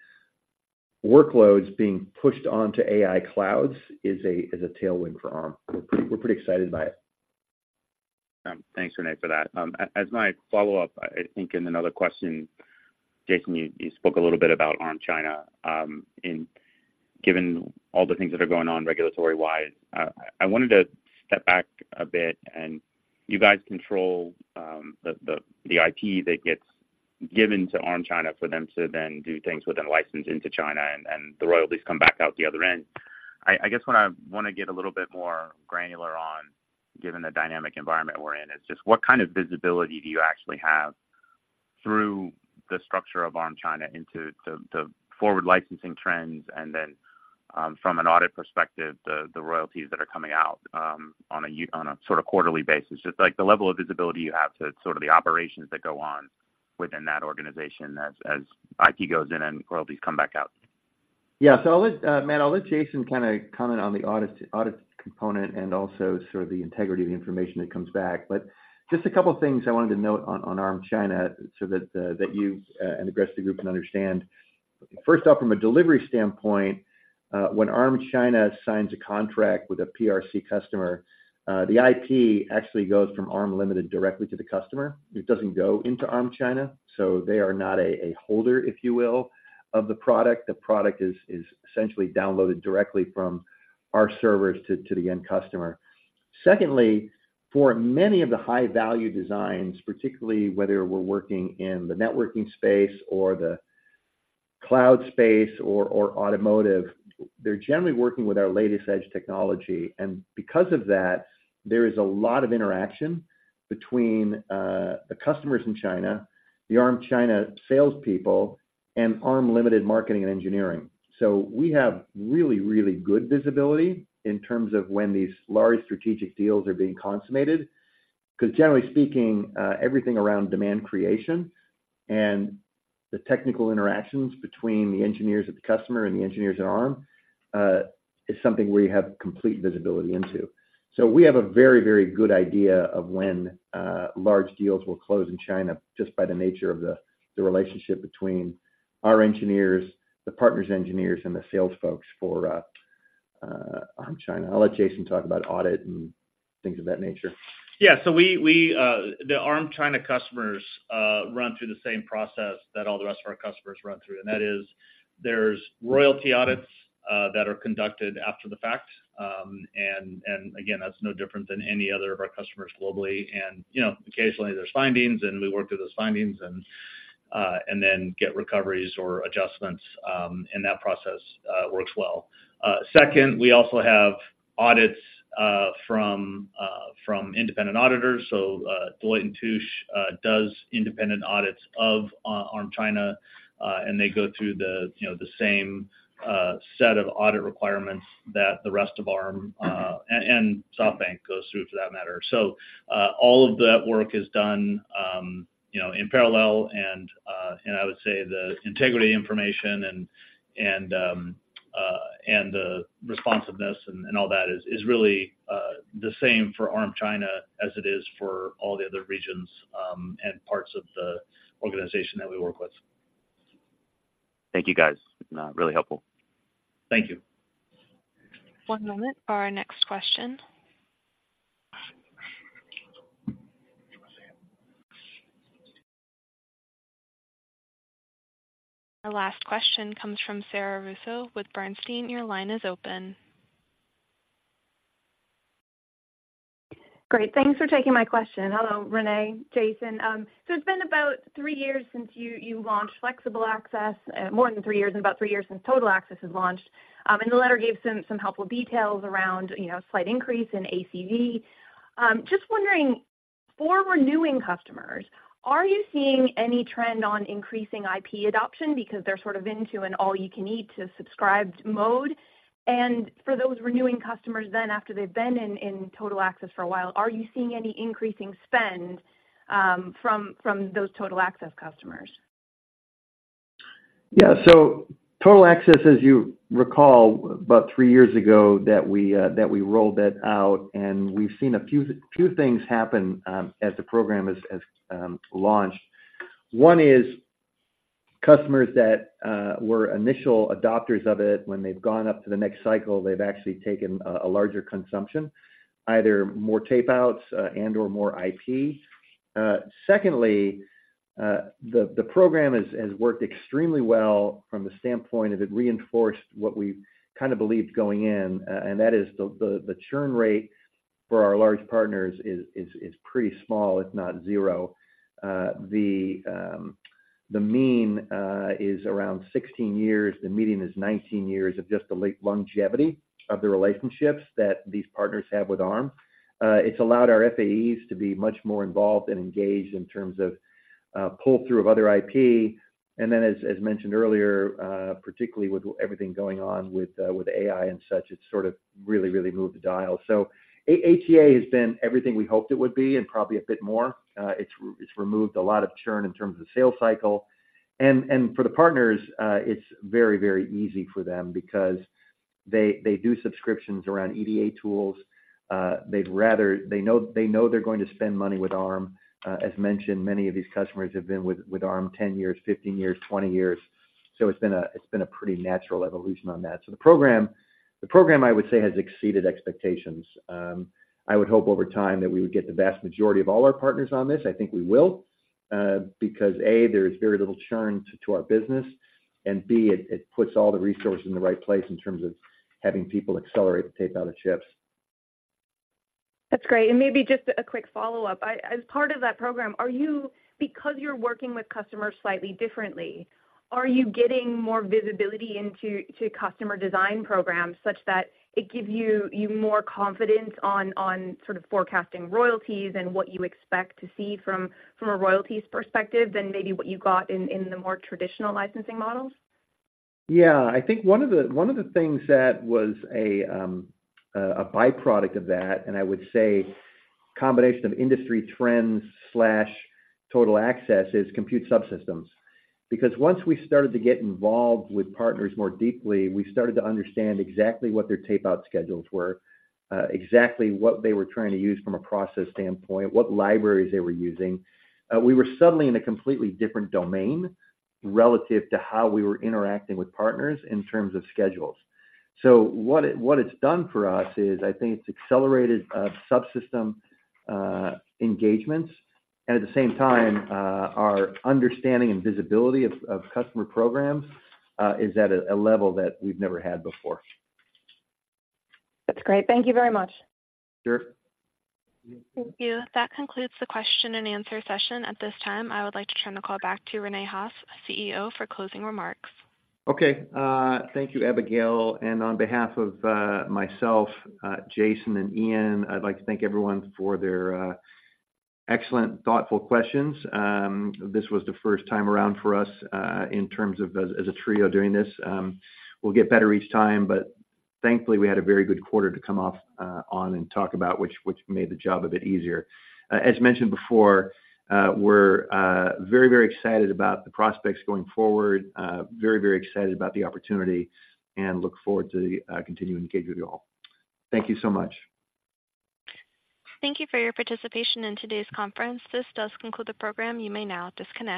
workloads being pushed onto AI clouds is a tailwind for Arm. We're pretty excited by it. Thanks, Rene, for that. As my follow-up, I think in another question, Jason, you spoke a little bit about Arm China. And given all the things that are going on regulatory-wise, I wanted to step back a bit, and you guys control the IP that gets given to Arm China for them to then do things with and license into China, and the royalties come back out the other end. I guess what I wanna get a little bit more granular on, given the dynamic environment we're in, is just what kind of visibility do you actually have through the structure of Arm China into the forward licensing trends, and then, from an audit perspective, the royalties that are coming out on a sort of quarterly basis? Just, like, the level of visibility you have to sort of the operations that go on within that organization as IP goes in and royalties come back out. Yeah. So I'll let Matt, I'll let Jason kind of comment on the audit, audit component and also sort of the integrity of the information that comes back. But just a couple of things I wanted to note on Arm China so that you and the rest of the group can understand. First off, from a delivery standpoint, when Arm China signs a contract with a PRC customer, the IP actually goes from Arm Limited directly to the customer. It doesn't go into Arm China, so they are not a holder, if you will, of the product. The product is essentially downloaded directly from our servers to the end customer. Secondly, for many of the high-value designs, particularly whether we're working in the networking space or the cloud space or, or automotive, they're generally working with our latest edge technology, and because of that, there is a lot of interaction between, the customers in China, the Arm China salespeople, and Arm Limited marketing and engineering. So we have really, really good visibility in terms of when these large strategic deals are being consummated, because generally speaking, everything around demand creation and the technical interactions between the engineers at the customer and the engineers at Arm, is something we have complete visibility into. So we have a very, very good idea of when, large deals will close in China, just by the nature of the, the relationship between our engineers, the partner's engineers, and the sales folks for, Arm China. I'll let Jason talk about audit and things of that nature. Yeah, so we... The Arm China customers run through the same process that all the rest of our customers run through, and that is there's royalty audits that are conducted after the fact. And again, that's no different than any other of our customers globally. And, you know, occasionally there's findings, and we work through those findings and then get recoveries or adjustments, and that process works well. Second, we also have audits from independent auditors. So, Deloitte & Touche does independent audits of Arm China, and they go through the, you know, the same set of audit requirements that the rest of Arm and SoftBank goes through, for that matter. So, all of that work is done, you know, in parallel, and I would say the integrity information and the responsiveness and all that is really the same for Arm China as it is for all the other regions and parts of the organization that we work with. Thank you, guys. Really helpful. Thank you. One moment for our next question.... Our last question comes from Sara Russo with Bernstein. Your line is open. Great. Thanks for taking my question. Hello, Rene, Jason. So it's been about three years since you, you launched Flexible Access, more than three years, and about three years since Total Access was launched. And the letter gave some, some helpful details around, you know, slight increase in ACV. Just wondering, for renewing customers, are you seeing any trend on increasing IP adoption because they're sort of into an all-you-can-eat to subscribed mode? And for those renewing customers then, after they've been in, in Total Access for a while, are you seeing any increasing spend, from, from those Total Access customers? Yeah. So Total Access, as you recall, about three years ago, that we, that we rolled that out, and we've seen a few things happen, as the program has launched. One is, customers that were initial adopters of it, when they've gone up to the next cycle, they've actually taken a larger consumption, either more tapeouts, and/or more IP. Secondly, the program has worked extremely well from the standpoint of it reinforced what we kind of believed going in, and that is the churn rate for our large partners is pretty small, if not zero. The mean is around 16 years. The median is 19 years of just the late-longevity of the relationships that these partners have with Arm. It's allowed our FAEs to be much more involved and engaged in terms of pull-through of other IP. And then, as mentioned earlier, particularly with everything going on with AI and such, it's sort of really, really moved the dial. So ATA has been everything we hoped it would be and probably a bit more. It's removed a lot of churn in terms of the sales cycle. And for the partners, it's very, very easy for them because they, they do subscriptions around EDA tools. They'd rather... They know, they know they're going to spend money with Arm. As mentioned, many of these customers have been with Arm 10 years, 15 years, 20 years, so it's been a pretty natural evolution on that. So the program, the program, I would say, has exceeded expectations. I would hope over time that we would get the vast majority of all our partners on this. I think we will, because, A, there is very little churn to our business, and B, it puts all the resources in the right place in terms of having people accelerate the tape out of chips. That's great. And maybe just a quick follow-up. As part of that program, are you, because you're working with customers slightly differently, getting more visibility into customer design programs such that it gives you more confidence on sort of forecasting royalties and what you expect to see from a royalties perspective than maybe what you got in the more traditional licensing models? Yeah. I think one of the things that was a byproduct of that, and I would say a combination of industry trends slash Total Access, is compute subsystems. Because once we started to get involved with partners more deeply, we started to understand exactly what their tape out schedules were, exactly what they were trying to use from a process standpoint, what libraries they were using. We were suddenly in a completely different domain relative to how we were interacting with partners in terms of schedules. So what it's done for us is, I think it's accelerated subsystem engagements, and at the same time, our understanding and visibility of customer programs is at a level that we've never had before. That's great. Thank you very much. Sure. Thank you. That concludes the question and answer session. At this time, I would like to turn the call back to Rene Haas, CEO, for closing remarks. Okay. Thank you, Abigail, and on behalf of myself, Jason, and Ian, I'd like to thank everyone for their excellent, thoughtful questions. This was the first time around for us in terms of as a trio doing this. We'll get better each time, but thankfully, we had a very good quarter to come off on and talk about, which made the job a bit easier. As mentioned before, we're very, very excited about the prospects going forward, very, very excited about the opportunity and look forward to continuing to engage with you all. Thank you so much. Thank you for your participation in today's conference. This does conclude the program. You may now disconnect.